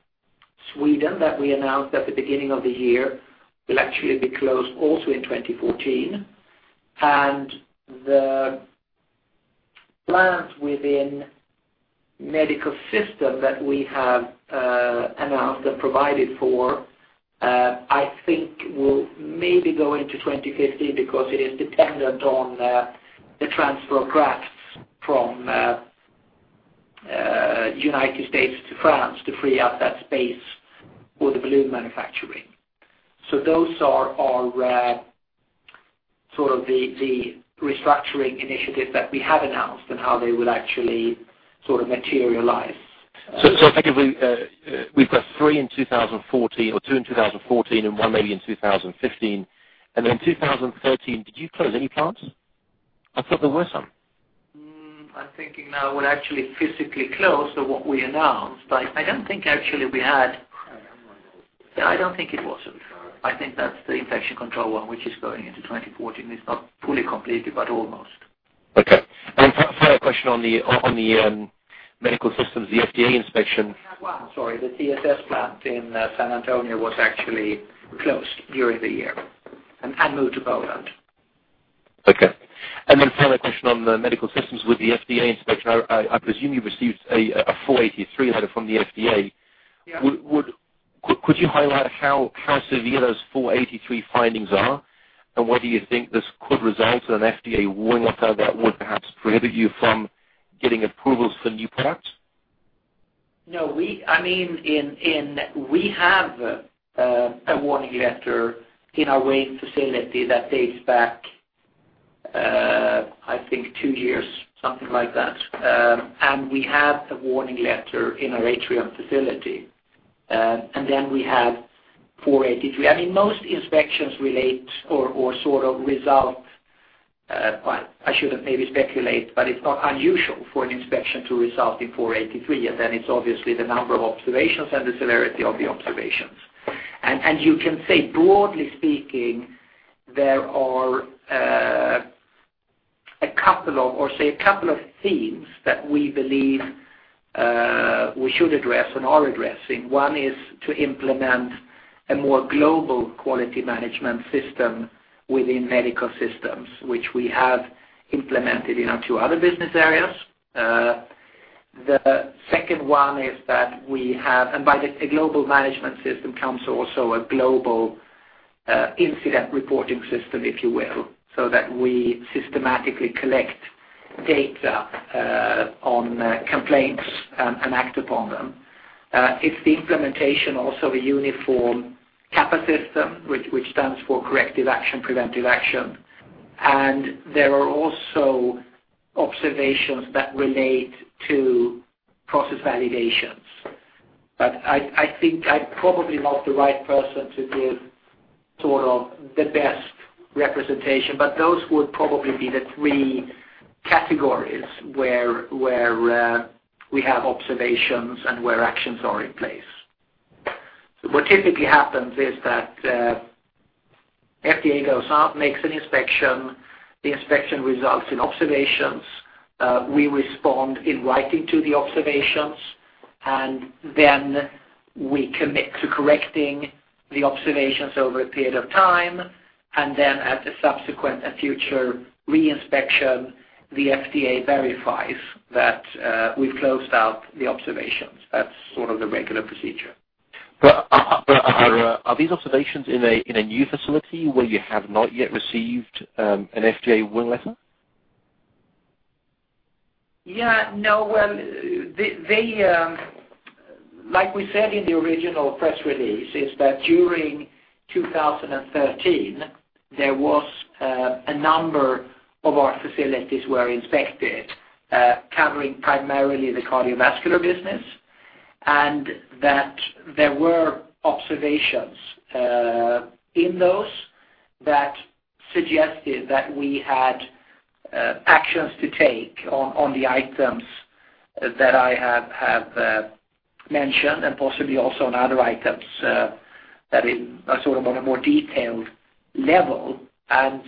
Speaker 2: Sweden that we announced at the beginning of the year will actually be closed also in 2014. The plant within Medical Systems that we have announced and provided for, I think, will maybe go into 2015 because it is dependent on the transfer of grafts from the United States to France to free up that space for the balloon manufacturing. So those are our sort of the restructuring initiatives that we have announced and how they will actually sort of materialize.
Speaker 5: So, so effectively, we've got three in 2014, or two in 2014, and one maybe in 2015. And then in 2013, did you close any plants? I thought there were some.
Speaker 2: I'm thinking now what actually physically closed of what we announced. I don't think actually we had-
Speaker 1: I don't remember.
Speaker 2: Yeah, I don't think it was. I think that's the Infection Control one, which is going into 2014. It's not fully completed, but almost.
Speaker 5: Okay. And final question on the medical systems, the FDA inspection-
Speaker 2: That one, sorry, the TSS plant in San Antonio was actually closed during the year and moved to Poland.
Speaker 5: Okay. And then, final question on the medical systems with the FDA inspection. I presume you received a Form 483 letter from the FDA.
Speaker 2: Yeah.
Speaker 5: Would you highlight how severe those Form 483 findings are? And whether you think this could result in an FDA Warning Letter that would perhaps prohibit you from getting approvals for new products?
Speaker 2: No, we, I mean, in we have a warning letter in our Wayne facility that dates back, I think two years, something like that. And we have a warning letter in our Atrium facility. And then we have Form 483. I mean, most inspections relate or sort of result, well, I shouldn't maybe speculate, but it's not unusual for an inspection to result in Form 483, and then it's obviously the number of observations and the severity of the observations. And you can say, broadly speaking, there are a couple of themes that we believe we should address and are addressing. One is to implement a more global quality management system within Medical Systems, which we have implemented in our two other business areas. The second one is that we have, and by the, a global management system comes also a global, incident reporting system, if you will, so that we systematically collect data, on, complaints and, and act upon them. It's the implementation also of a uniform CAPA system, which, which stands for Corrective Action, Preventive Action. And there are also observations that relate to process validations. But I think I'm probably not the right person to give sort of the best representation, but those would probably be the three categories where, where, we have observations and where actions are in place. So what typically happens is that, FDA goes out, makes an inspection, the inspection results in observations. We respond in writing to the observations, and then we commit to correcting the observations over a period of time. Then at a subsequent and future reinspection, the FDA verifies that we've closed out the observations. That's sort of the regular procedure.
Speaker 5: Are these observations in a new facility where you have not yet received an FDA Warning Letter?
Speaker 2: Yeah, no. Well, they like we said in the original press release, is that during 2013, there was a number of our facilities were inspected, covering primarily the cardiovascular business, and that there were observations in those that suggested that we had actions to take on the items that I have mentioned, and possibly also on other items that are sort of on a more detailed level. And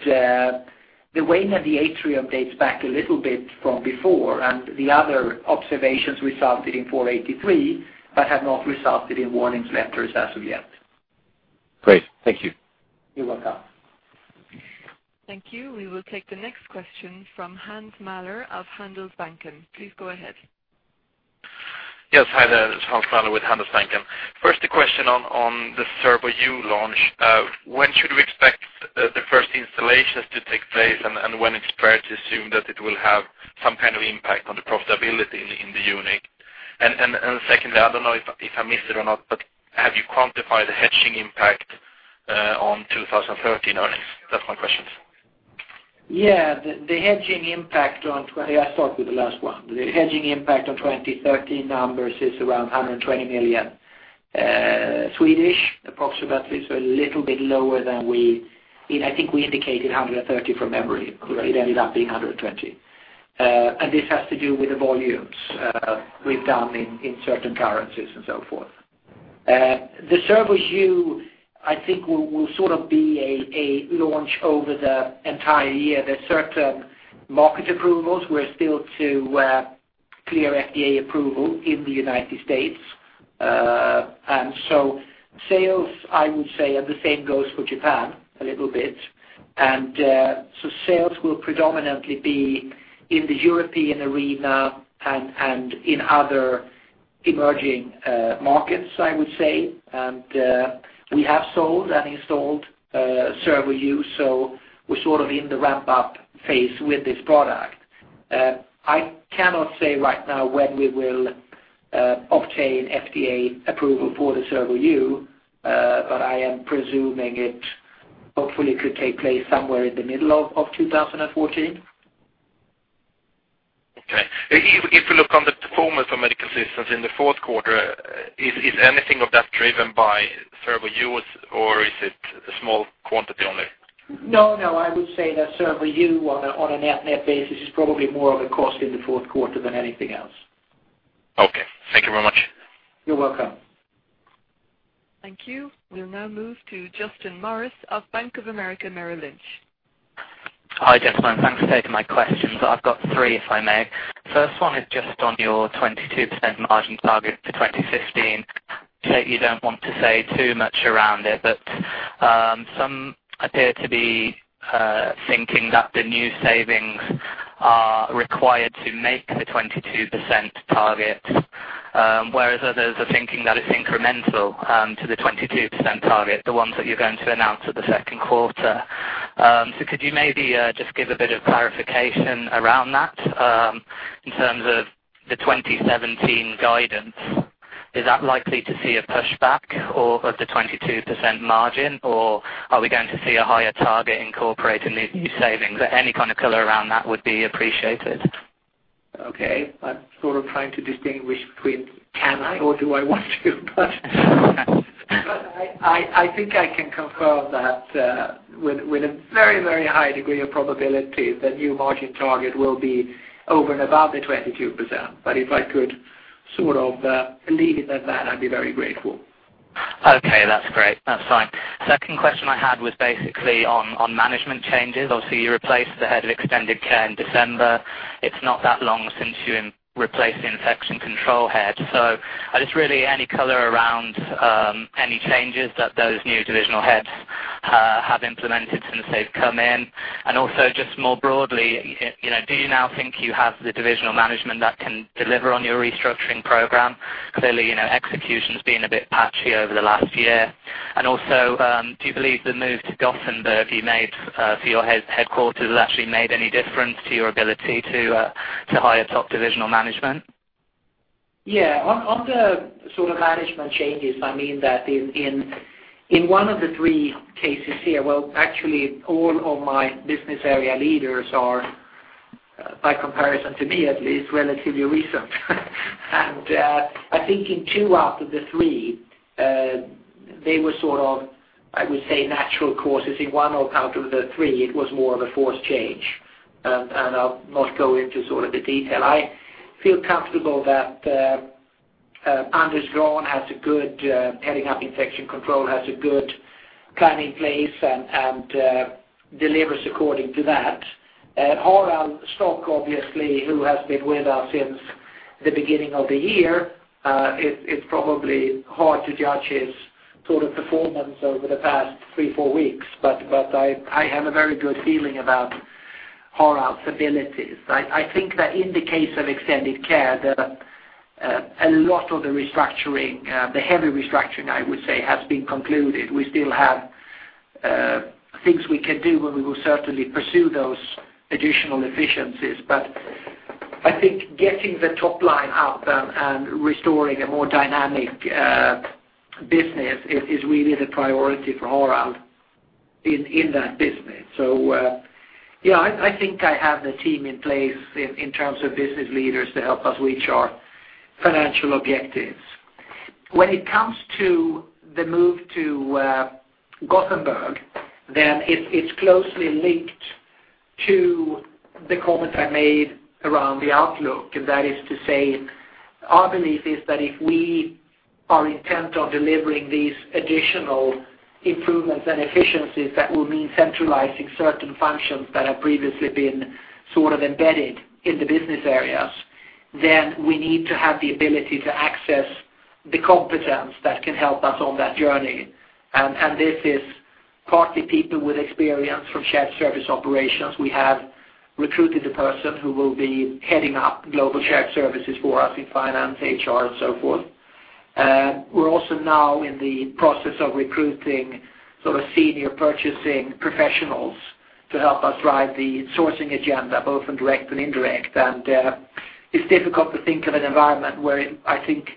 Speaker 2: the Wayne and the Atrium dates back a little bit from before, and the other observations resulted in Form 483, but have not resulted in warning letters as of yet.
Speaker 5: Great, thank you.
Speaker 2: You're welcome.
Speaker 1: Thank you. We will take the next question from Hans Mähler of Handelsbanken. Please go ahead.
Speaker 6: Yes, hi there. It's Hans Mähler with Handelsbanken. First, a question on the Servo-u launch. When should we expect the first installations to take place? And when it's fair to assume that it will have some kind of impact on the profitability in the unit? And secondly, I don't know if I missed it or not, but have you quantified the hedging impact on 2013 earnings? That's my questions.
Speaker 2: Yeah, the, the hedging impact on... I'll start with the last one. The hedging impact on 2013 numbers is around 120 million, approximately, so a little bit lower than we—I think we indicated 130 from memory.
Speaker 6: Right.
Speaker 2: It ended up being 120. And this has to do with the volumes we've done in certain currencies and so forth. The Servo-u, I think, will sort of be a launch over the entire year. There are certain market approvals we're still to clear: FDA approval in the United States. And so sales, I would say, and the same goes for Japan, a little bit. So sales will predominantly be in the European arena and in other emerging markets, I would say. And we have sold and installed Servo-u, so we're sort of in the ramp-up phase with this product. I cannot say right now when we will obtain FDA approval for the Servo-u, but I am presuming it hopefully could take place somewhere in the middle of 2014.
Speaker 6: Okay. If you look on the performance of Medical Systems in the fourth quarter, is anything of that driven by Servo-u's, or is it a small quantity only?
Speaker 2: No, no, I would say that Servo-u, on a, on a net-net basis, is probably more of a cost in the fourth quarter than anything else.
Speaker 6: Okay. Thank you very much.
Speaker 2: You're welcome.
Speaker 1: Thank you. We'll now move to Justin Morris of Bank of America Merrill Lynch.
Speaker 7: Hi, Gentlemen. Thanks for taking my questions. I've got three, if I may. First one is just on your 22% margin target for 2015. So you don't want to say too much around it, but some appear to be thinking that the new savings are required to make the 22% target, whereas others are thinking that it's incremental to the 22% target, the ones that you're going to announce at the second quarter. So could you maybe just give a bit of clarification around that, in terms of the 2017 guidance? Is that likely to see a pushback or of the 22% margin, or are we going to see a higher target incorporating these new savings? Any kind of color around that would be appreciated.
Speaker 2: Okay. I'm sort of trying to distinguish between can I or do I want to, but, but I, I think I can confirm that, with, with a very, very high degree of probability, the new margin target will be over and above the 22%. But if I could sort of, leave it at that, I'd be very grateful.
Speaker 7: Okay, that's great. That's fine. Second question I had was basically on management changes. Obviously, you replaced the head of Extended Care in December. It's not that long since you replaced the Infection Control head. So just really, any color around any changes that those new divisional heads have implemented since they've come in? And also, just more broadly, you know, do you now think you have the divisional management that can deliver on your restructuring program? Clearly, you know, execution's been a bit patchy over the last year. And also, do you believe the move to Gothenburg you made for your headquarters has actually made any difference to your ability to hire top divisional management?
Speaker 2: Yeah, on the sort of management changes, I mean that in one of the three cases here, well, actually, all of my business area leaders are, by comparison to me at least, relatively recent. And, I think in two out of the three, they were sort of, I would say, natural courses. In one out of the three, it was more of a forced change, and I'll not go into sort of the detail. I feel comfortable that Anders Gran has a good heading up Infection Control, has a good plan in place and delivers according to that. Harald Stock, obviously, who has been with us since the beginning of the year, it's probably hard to judge his sort of performance over the past 3-4 weeks, but I have a very good feeling about Harald's abilities. I think that in the case of Extended Care, a lot of the restructuring, the heavy restructuring, I would say, has been concluded. We still have things we can do, and we will certainly pursue those additional efficiencies. But I think getting the top line up and restoring a more dynamic business is really the priority for Harald in that business. So, yeah, I think I have the team in place in terms of business leaders to help us reach our financial objectives. When it comes to the move to Gothenburg, then it's closely linked to the comment I made around the outlook. And that is to say, our belief is that if we are intent on delivering these additional improvements and efficiencies, that will mean centralizing certain functions that have previously been sort of embedded in the business areas, then we need to have the ability to access the competence that can help us on that journey. And this is partly people with experience from shared service operations. We have recruited a person who will be heading up global shared services for us in finance, HR, and so forth. And we're also now in the process of recruiting sort of senior purchasing professionals to help us drive the sourcing agenda, both in direct and indirect. It's difficult to think of an environment where I think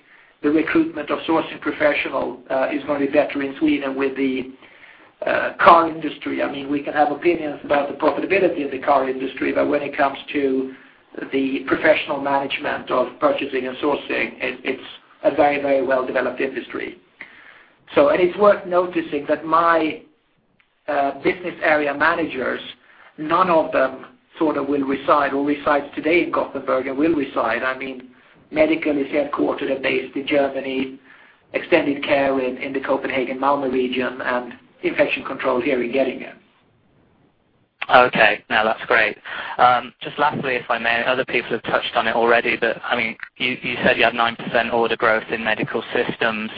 Speaker 2: the recruitment of sourcing professional is going to be better in Sweden with the car industry. I mean, we can have opinions about the profitability of the car industry, but when it comes to the professional management of purchasing and sourcing, it's a very, very well-developed industry. So, it's worth noticing that my business area managers, none of them sort of will reside or resides today in Gothenburg and will reside. I mean, Medical is headquartered and based in Germany, Extended Care in the Copenhagen, Malmö region, and Infection Control here in Gothenburg....
Speaker 7: Okay, now that's great. Just lastly, if I may, other people have touched on it already, but, I mean, you, you said you had 9% order growth in Medical Systems,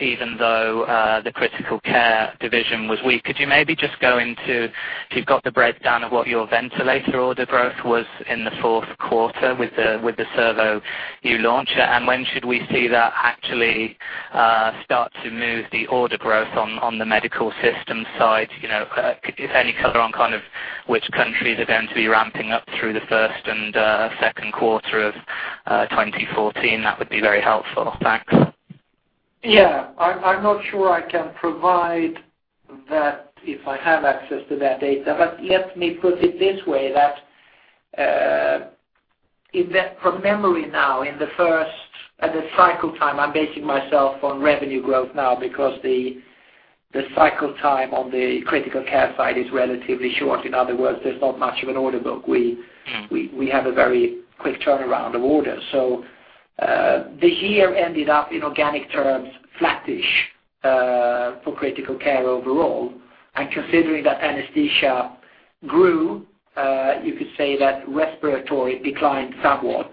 Speaker 7: even though the critical care division was weak. Could you maybe just go into if you've got the breakdown of what your ventilator order growth was in the fourth quarter with the Servo-u launch? And when should we see that actually start to move the order growth on the Medical Systems side? You know, if any color on kind of which countries are going to be ramping up through the first and second quarter of 2014, that would be very helpful. Thanks.
Speaker 2: Yeah, I'm not sure I can provide that if I have access to that data, but let me put it this way. That, from memory now, in the first, at the cycle time, I'm basing myself on revenue growth now because the cycle time on the critical care side is relatively short. In other words, there's not much of an order book. We-
Speaker 7: Mm.
Speaker 2: We have a very quick turnaround of orders. So, the year ended up, in organic terms, flattish, for critical care overall. And considering that anesthesia grew, you could say that respiratory declined somewhat,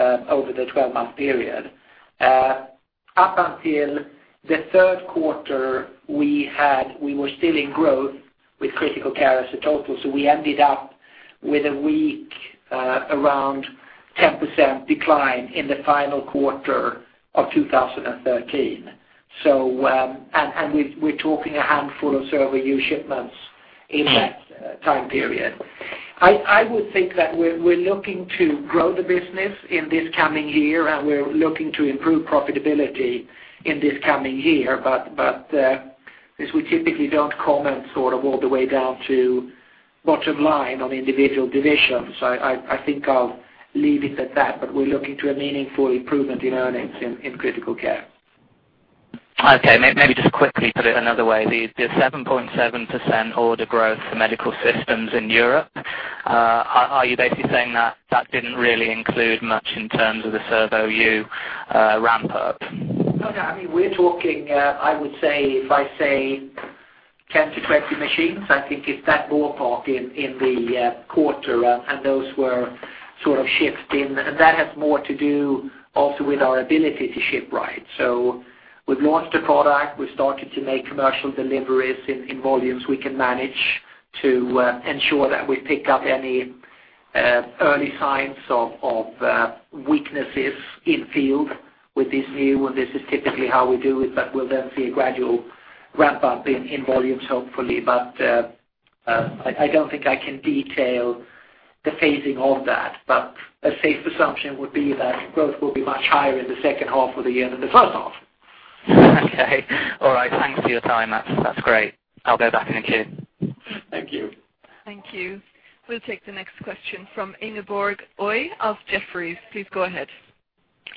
Speaker 2: over the twelve-month period. Up until the third quarter, we had—we were still in growth with critical care as a total, so we ended up with a weak, around 10% decline in the final quarter of 2013. So, and we’re talking a handful of Servo-u shipments in that time period. I would think that we’re looking to grow the business in this coming year, and we’re looking to improve profitability in this coming year. But, as we typically don't comment sort of all the way down to bottom line on individual divisions, so I think I'll leave it at that. But we're looking to a meaningful improvement in earnings in critical care.
Speaker 7: Okay, maybe just quickly put it another way. The 7.7% order growth for Medical Systems in Europe, are you basically saying that that didn't really include much in terms of the Servo-u ramp up?
Speaker 2: No, no, I mean, we're talking, I would say, if I say 10-20 machines, I think it's that ballpark in the quarter, and those were sort of shipped in. And that has more to do also with our ability to ship, right? So we've launched a product. We've started to make commercial deliveries in volumes we can manage to ensure that we pick up any early signs of weaknesses in field with this new, and this is typically how we do it, but we'll then see a gradual ramp up in volumes, hopefully. But, I don't think I can detail the phasing of that, but a safe assumption would be that growth will be much higher in the second half of the year than the first half.
Speaker 7: Okay. All right, thanks for your time. That's, that's great. I'll go back in the queue.
Speaker 2: Thank you.
Speaker 1: Thank you. We'll take the next question from Ingeborg Øie of Jefferies. Please go ahead.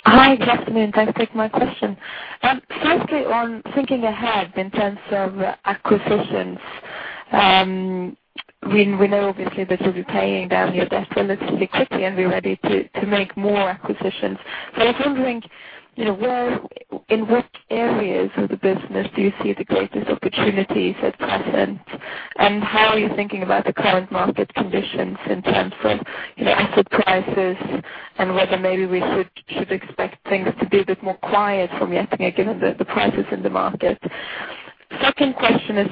Speaker 8: Hi, Johan. Thanks for taking my question. Firstly, on thinking ahead in terms of acquisitions, we know obviously that you'll be paying down your debt relatively quickly and be ready to make more acquisitions. So I was wondering, you know, where in which areas of the business do you see the greatest opportunities at present? And how are you thinking about the current market conditions in terms of, you know, asset prices and whether maybe we should expect things to be a bit more quiet from Getinge, given the prices in the market? Second question is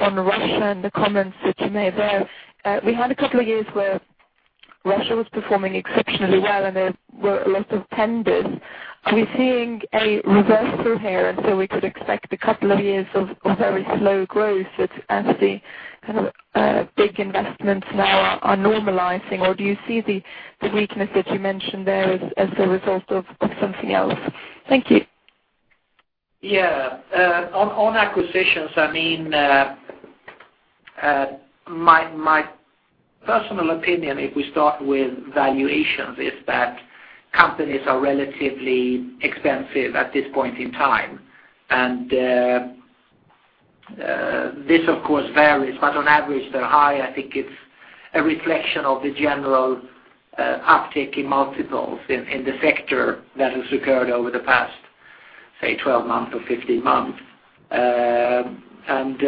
Speaker 8: on Russia and the comments that you made there. We had a couple of years where Russia was performing exceptionally well, and there were a lot of tenders. Are we seeing a reversal here, and so we could expect a couple of years of very slow growth as the kind of big investments now are normalizing, or do you see the weakness that you mentioned there as a result of something else? Thank you.
Speaker 2: Yeah, on acquisitions, I mean, my personal opinion, if we start with valuations, is that companies are relatively expensive at this point in time. And, this of course varies, but on average, they're high. I think it's a reflection of the general, uptick in multiples in the sector that has occurred over the past, say, 12 months or 15 months. And,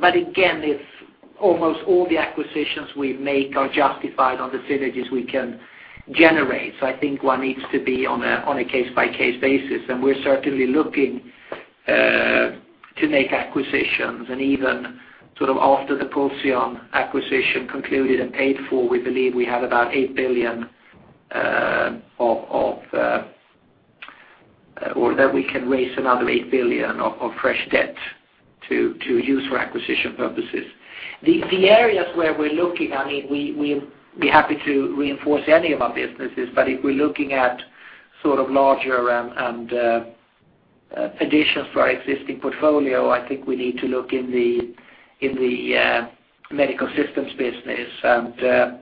Speaker 2: but again, if almost all the acquisitions we make are justified on the synergies we can generate, so I think one needs to be on a case-by-case basis, and we're certainly looking to make acquisitions. Even sort of after the PULSION acquisition concluded and paid for, we believe we have about 8 billion, or that we can raise another 8 billion of fresh debt to use for acquisition purposes. The areas where we're looking, I mean, we, we'd be happy to reinforce any of our businesses, but if we're looking at sort of larger and additions to our existing portfolio, I think we need to look in the Medical Systems business.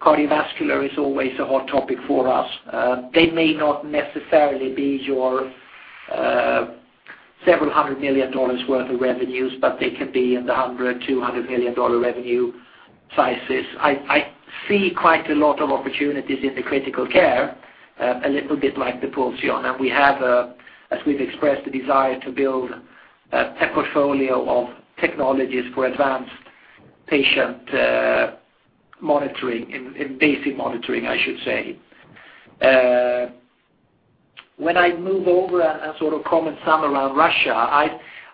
Speaker 2: Cardiovascular is always a hot topic for us. They may not necessarily be your several hundred million dollars worth of revenues, but they can be in the $100-$200 million revenue sizes. I see quite a lot of opportunities in the critical care, a little bit like the PULSION, and we have, as we've expressed, the desire to build a portfolio of technologies for advanced patient monitoring, in basic monitoring, I should say. When I move over and sort of comment some around Russia,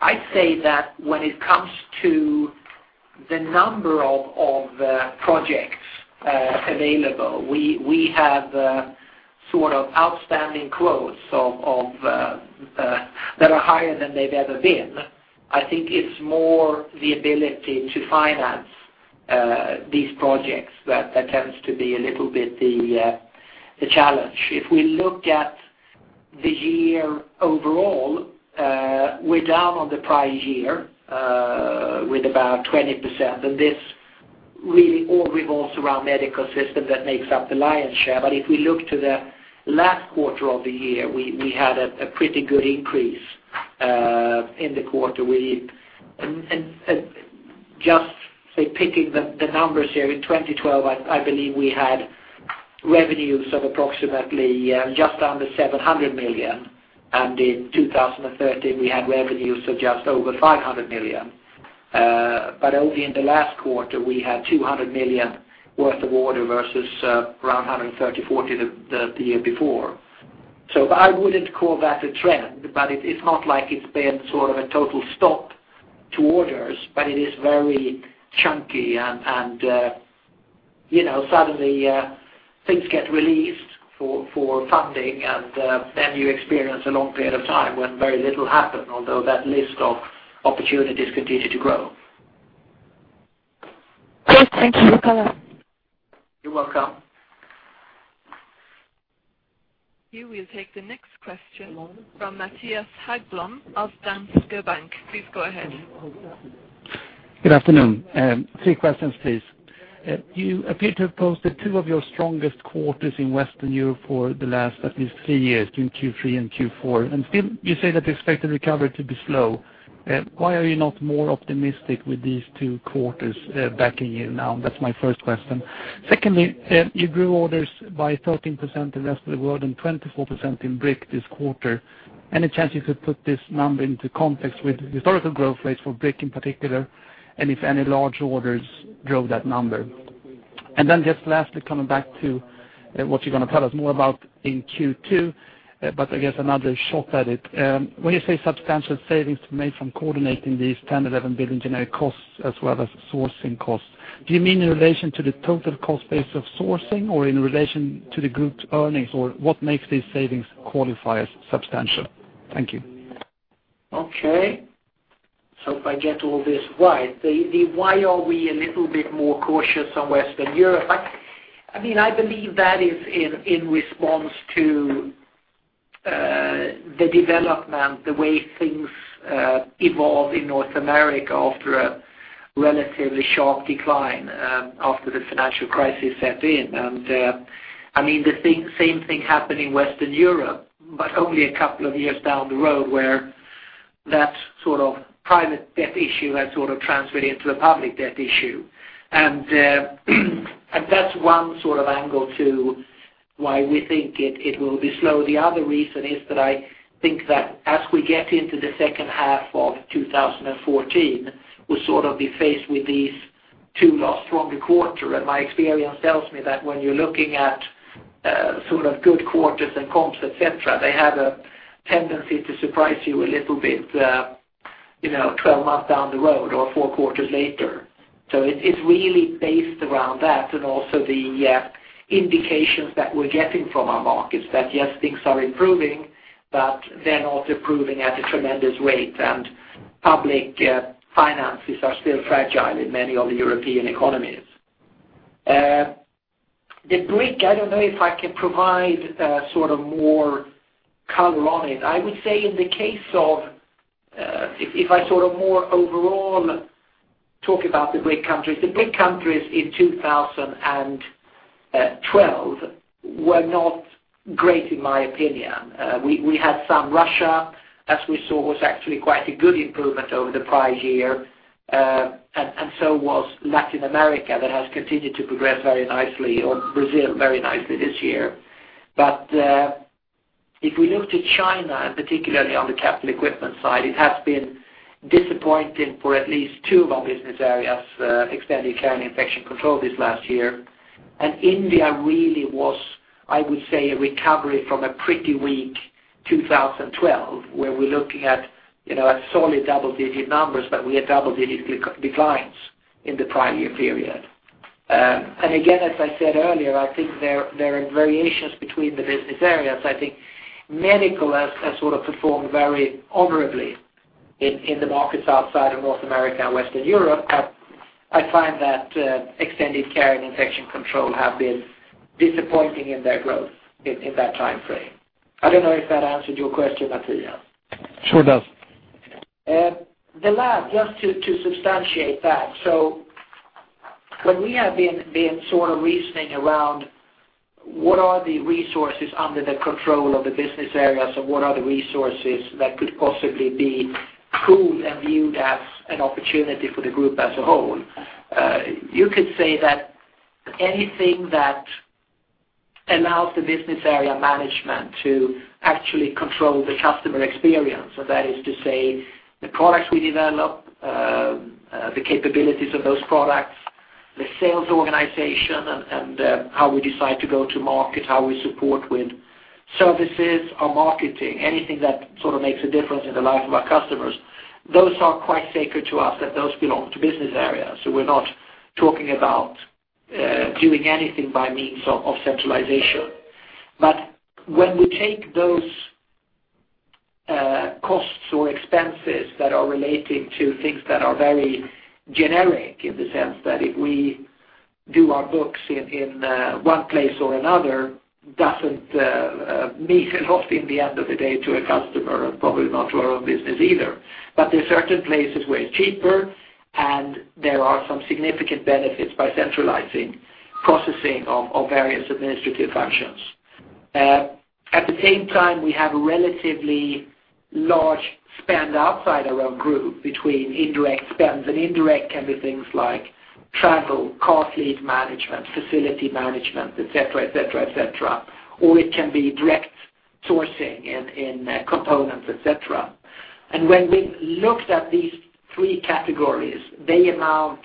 Speaker 2: I'd say that when it comes to the number of projects available, we have sort of outstanding quotes that are higher than they've ever been. I think it's more the ability to finance these projects that tends to be a little bit the challenge. If we look at the year overall, we're down on the prior year with about 20%, and this really all revolves around medical system that makes up the lion's share. But if we look to the last quarter of the year, we had a pretty good increase in the quarter. And just say, picking the numbers here, in 2012, I believe we had revenues of approximately just under 700 million, and in 2013, we had revenues of just over 500 million. But only in the last quarter, we had 200 million worth of order versus around 130-140 the year before. So I wouldn't call that a trend, but it's not like it's been sort of a total stop to orders, but it is very chunky. You know, suddenly things get released for funding, and then you experience a long period of time when very little happened, although that list of opportunities continued to grow.
Speaker 8: Great. Thank you, Nikolai.
Speaker 2: You're welcome.
Speaker 1: We will take the next question from Mattias Häggblom of Danske Bank. Please go ahead.
Speaker 9: Good afternoon. Three questions, please. You appear to have posted two of your strongest quarters in Western Europe for the last at least three years, in Q3 and Q4, and still you say that you expect the recovery to be slow. Why are you not more optimistic with these two quarters backing you now? That's my first question. Secondly, you grew orders by 13% in the rest of the world and 24% in BRIC this quarter. Any chance you could put this number into context with historical growth rates for BRIC in particular, and if any large orders drove that number? And then just lastly, coming back to what you're gonna tell us more about in Q2, but I guess another shot at it. When you say substantial savings to be made from coordinating these 10-11 billion generic costs as well as sourcing costs, do you mean in relation to the total cost base of sourcing, or in relation to the group's earnings, or what makes these savings qualifiers substantial? Thank you.
Speaker 2: Okay. So if I get all this right, the why are we a little bit more cautious on Western Europe? I mean, I believe that is in response to the development, the way things evolve in North America after a relatively sharp decline, after the financial crisis set in. And I mean, the same thing happened in Western Europe, but only a couple of years down the road, where that sort of private debt issue has sort of transferred into a public debt issue. And that's one sort of angle to why we think it will be slow. The other reason is that I think that as we get into the second half of 2014, we'll sort of be faced with these two last stronger quarter. My experience tells me that when you're looking at sort of good quarters and comps, et cetera, they have a tendency to surprise you a little bit, you know, 12 months down the road or four quarters later. So it's, it's really based around that and also the indications that we're getting from our markets that, yes, things are improving, but they're not improving at a tremendous rate, and public finances are still fragile in many of the European economies. The BRIC, I don't know if I can provide sort of more color on it. I would say in the case of, if I sort of more overall talk about the BRIC countries, the BRIC countries in 2012 were not great in my opinion. We had some Russia, as we saw, was actually quite a good improvement over the prior year, and so was Latin America. That has continued to progress very nicely, or Brazil, very nicely this year. But if we look to China, and particularly on the capital equipment side, it has been disappointing for at least two of our business areas, Extended Care and Infection Control this last year. And India really was, I would say, a recovery from a pretty weak 2012, where we're looking at, you know, at solely double-digit numbers, but we had double-digit declines in the prior year period. And again, as I said earlier, I think there are variations between the business areas. I think medical has sort of performed very honorably in the markets outside of North America and Western Europe, but I find that Extended Care and Infection Control have been disappointing in their growth in that time frame. I don't know if that answered your question, Mattias.
Speaker 9: Sure does.
Speaker 2: The last, just to substantiate that. So when we have been sort of reasoning around what are the resources under the control of the business areas or what are the resources that could possibly be pooled and viewed as an opportunity for the group as a whole, you could say that anything that allows the business area management to actually control the customer experience. So that is to say, the products we develop, the capabilities of those products, the sales organization, and how we decide to go to market, how we support with services or marketing, anything that sort of makes a difference in the lives of our customers. Those are quite sacred to us, and those belong to business areas. So we're not talking about doing anything by means of centralization. But when we take those costs or expenses that are related to things that are very generic, in the sense that if we do our books in one place or another, doesn't mean a lot in the end of the day to a customer, and probably not to our own business either. But there are certain places where it's cheaper, and there are some significant benefits by centralizing processing of various administrative functions. At the same time, we have a relatively large spend outside our own group between indirect spends, and indirect can be things like travel, car fleet management, facility management, et cetera, et cetera, et cetera. Or it can be direct sourcing in components, et cetera. And when we looked at these three categories, they amount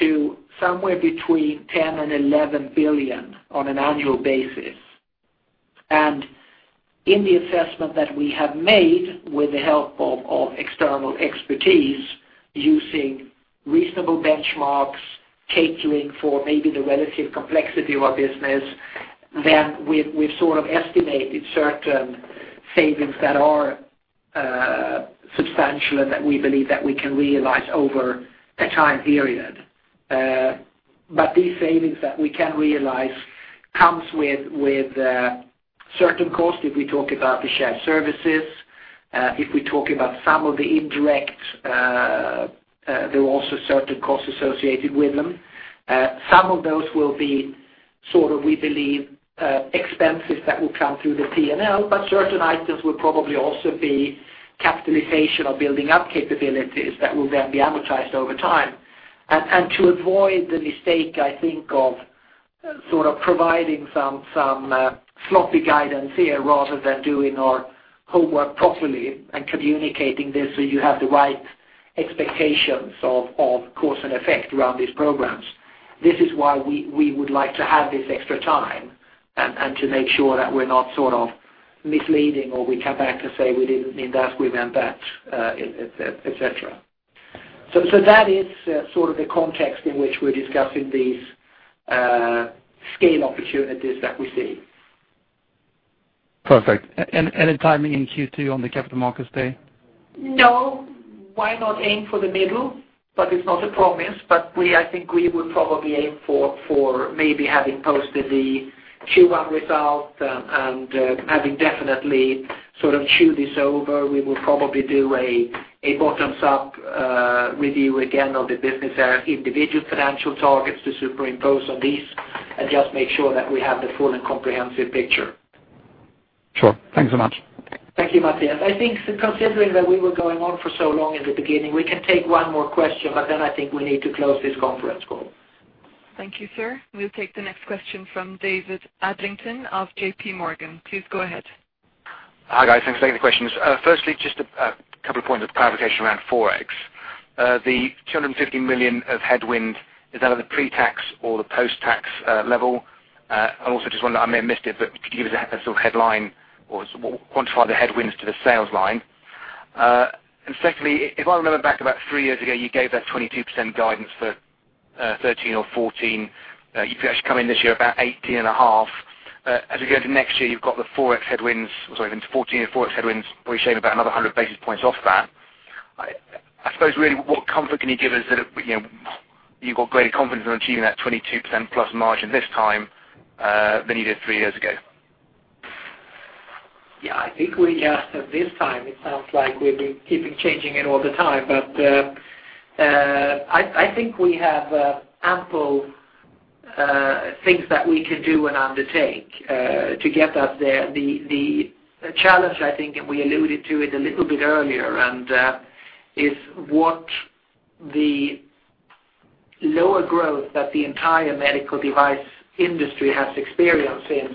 Speaker 2: to somewhere between 10 billion and 11 billion on an annual basis. In the assessment that we have made with the help of external expertise, using reasonable benchmarks, catering for maybe the relative complexity of our business, then we've sort of estimated certain savings that are substantial and that we believe that we can realize over a time period. But these savings that we can realize comes with certain costs, if we talk about the shared services, if we talk about some of the indirect, there are also certain costs associated with them. Some of those will be sort of, we believe, expenses that will come through the P&L, but certain items will probably also be capitalization or building up capabilities that will then be amortized over time. To avoid the mistake, I think, of sort of providing some sloppy guidance here, rather than doing our homework properly and communicating this so you have the right expectations of cause and effect around these programs. This is why we would like to have this extra time and to make sure that we're not sort of misleading, or we come back to say we didn't mean that, we meant that, etc. That is sort of the context in which we're discussing these scale opportunities that we see.
Speaker 9: Perfect. Any timing in Q2 on the Capital Markets Day?
Speaker 2: No. Why not aim for the middle? But it's not a promise, but we—I think we would probably aim for maybe having posted the Q1 result and having definitely sort of chewed this over, we will probably do a bottoms-up review again of the business area, individual financial targets to superimpose on these, and just make sure that we have the full and comprehensive picture.
Speaker 9: Sure. Thanks so much.
Speaker 2: Thank you, Mattias. I think considering that we were going on for so long in the beginning, we can take one more question, but then I think we need to close this conference call.
Speaker 1: Thank you, sir. We'll take the next question from David Adlington of JP Morgan. Please go ahead.
Speaker 10: Hi, guys. Thanks for taking the questions. Firstly, just a couple of points of clarification around Forex. The 250 million of headwind, is that at the pre-tax or the post-tax level? I also just wonder, I may have missed it, but could you give us a sort of headline or quantify the headwinds to the sales line? And secondly, if I remember back about three years ago, you gave that 22% guidance for 2013 or 2014. You've actually come in this year about 18.5. As we go into next year, you've got the Forex headwinds, sorry, into 2014 and Forex headwinds, probably showing about another 100 basis points off that. I suppose, really, what comfort can you give us that, you know, you've got greater confidence in achieving that 22%+ margin this time than you did three years ago?
Speaker 2: Yeah, I think we asked at this time, it sounds like we've been keeping changing it all the time. But, I think we have ample things that we can do and undertake to get us there. The challenge, I think, and we alluded to it a little bit earlier, and, is what the lower growth that the entire medical device industry has experienced since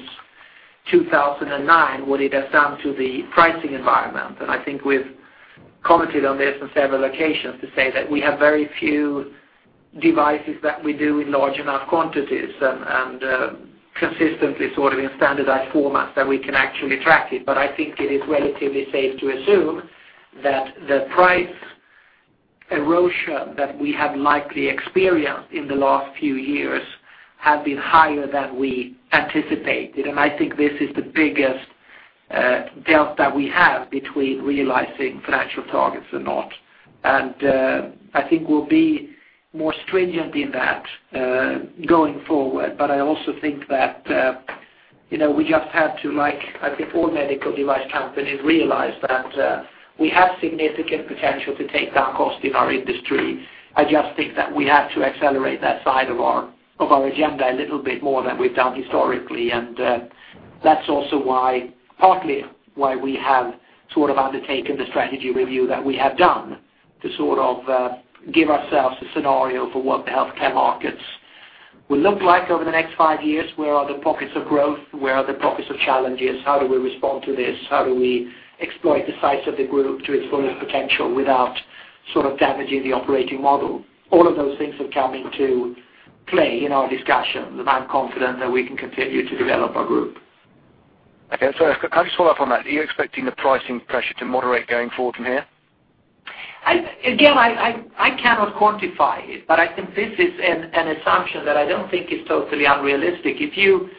Speaker 2: 2009, what it has done to the pricing environment. And I think we've commented on this on several occasions to say that we have very few devices that we do in large enough quantities and, consistently sort of in standardized formats that we can actually track it. But I think it is relatively safe to assume that the price erosion that we have likely experienced in the last few years have been higher than we anticipated, and I think this is the biggest doubt that we have between realizing financial targets or not. And, I think we'll be more stringent in that, going forward. But I also think that, you know, we just have to, like, I think all medical device companies realize that, we have significant potential to take down cost in our industry. I just think that we have to accelerate that side of our, of our agenda a little bit more than we've done historically. And... That's also why, partly why we have sort of undertaken the strategy review that we have done, to sort of give ourselves a scenario for what the healthcare markets will look like over the next five years. Where are the pockets of growth? Where are the pockets of challenges? How do we respond to this? How do we exploit the size of the group to its fullest potential without sort of damaging the operating model? All of those things have come into play in our discussions, and I'm confident that we can continue to develop our group.
Speaker 5: Okay, can I just follow up on that? Are you expecting the pricing pressure to moderate going forward from here?
Speaker 2: I again cannot quantify it, but I think this is an assumption that I don't think is totally unrealistic. If you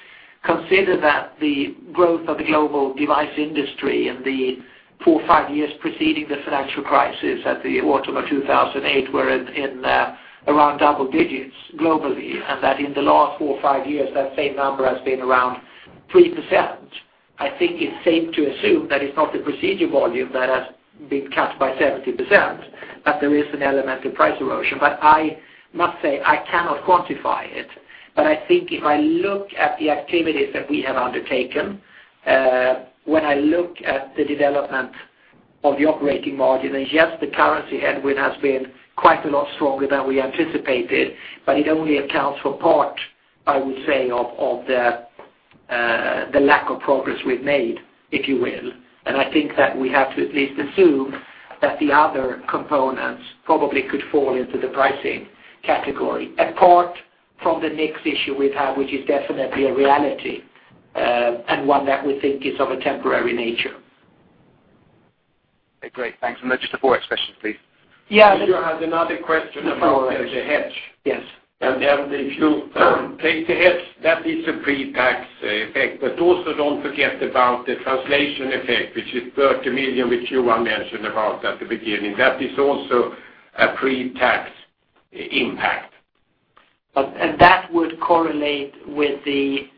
Speaker 2: consider that the growth of the global device industry in the four to five years preceding the financial crisis at the autumn of 2008 were in around double digits globally, and that in the last four to five years, that same number has been around 3%. I think it's safe to assume that it's not the procedure volume that has been cut by 70%, that there is an element of price erosion. But I must say, I cannot quantify it. But I think if I look at the activities that we have undertaken, when I look at the development of the operating margin, and yes, the currency headwind has been quite a lot stronger than we anticipated, but it only accounts for part, I would say, of the lack of progress we've made, if you will. And I think that we have to at least assume that the other components probably could fall into the pricing category, apart from the mix issue we've had, which is definitely a reality, and one that we think is of a temporary nature.
Speaker 5: Great, thanks. Just a Forex question, please.
Speaker 2: Yeah-
Speaker 3: You had another question about the hedge.
Speaker 2: Yes.
Speaker 3: Then if you take the hedge, that is a pre-tax effect. Also don't forget about the translation effect, which is 30 million, which Johan mentioned about at the beginning. That is also a pre-tax impact.
Speaker 2: But, and that would correlate with the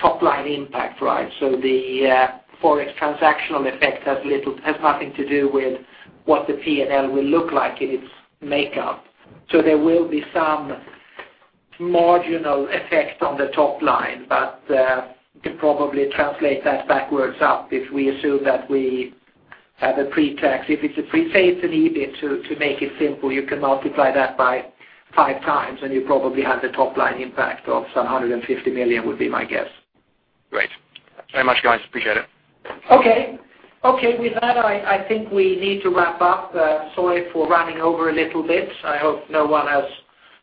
Speaker 2: top line impact, right? So the Forex transactional effect has little, has nothing to do with what the PNL will look like in its makeup. So there will be some marginal effect on the top line, but you could probably translate that backwards up if we assume that we have a pre-tax. If it's a pre, say, it's an EBITDA, to make it simple, you can multiply that by five times, and you probably have the top line impact of some 150 million, would be my guess.
Speaker 5: Great. Thank you very much, guys. Appreciate it.
Speaker 2: Okay. Okay, with that, I think we need to wrap up. Sorry for running over a little bit. I hope no one has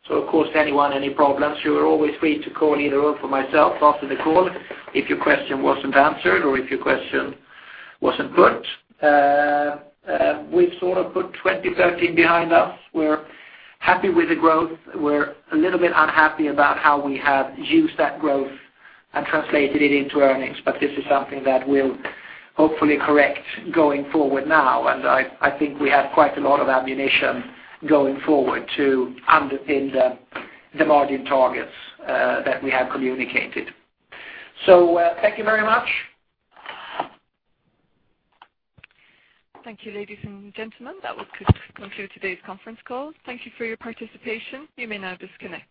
Speaker 2: sort of caused anyone any problems. You are always free to call either or myself after the call if your question wasn't answered or if your question wasn't put. We've sort of put 2013 behind us. We're happy with the growth. We're a little bit unhappy about how we have used that growth and translated it into earnings, but this is something that we'll hopefully correct going forward now. And I think we have quite a lot of ammunition going forward to underpin the margin targets that we have communicated. So, thank you very much.
Speaker 1: Thank you, ladies and gentlemen. That will conclude today's conference call. Thank you for your participation. You may now disconnect.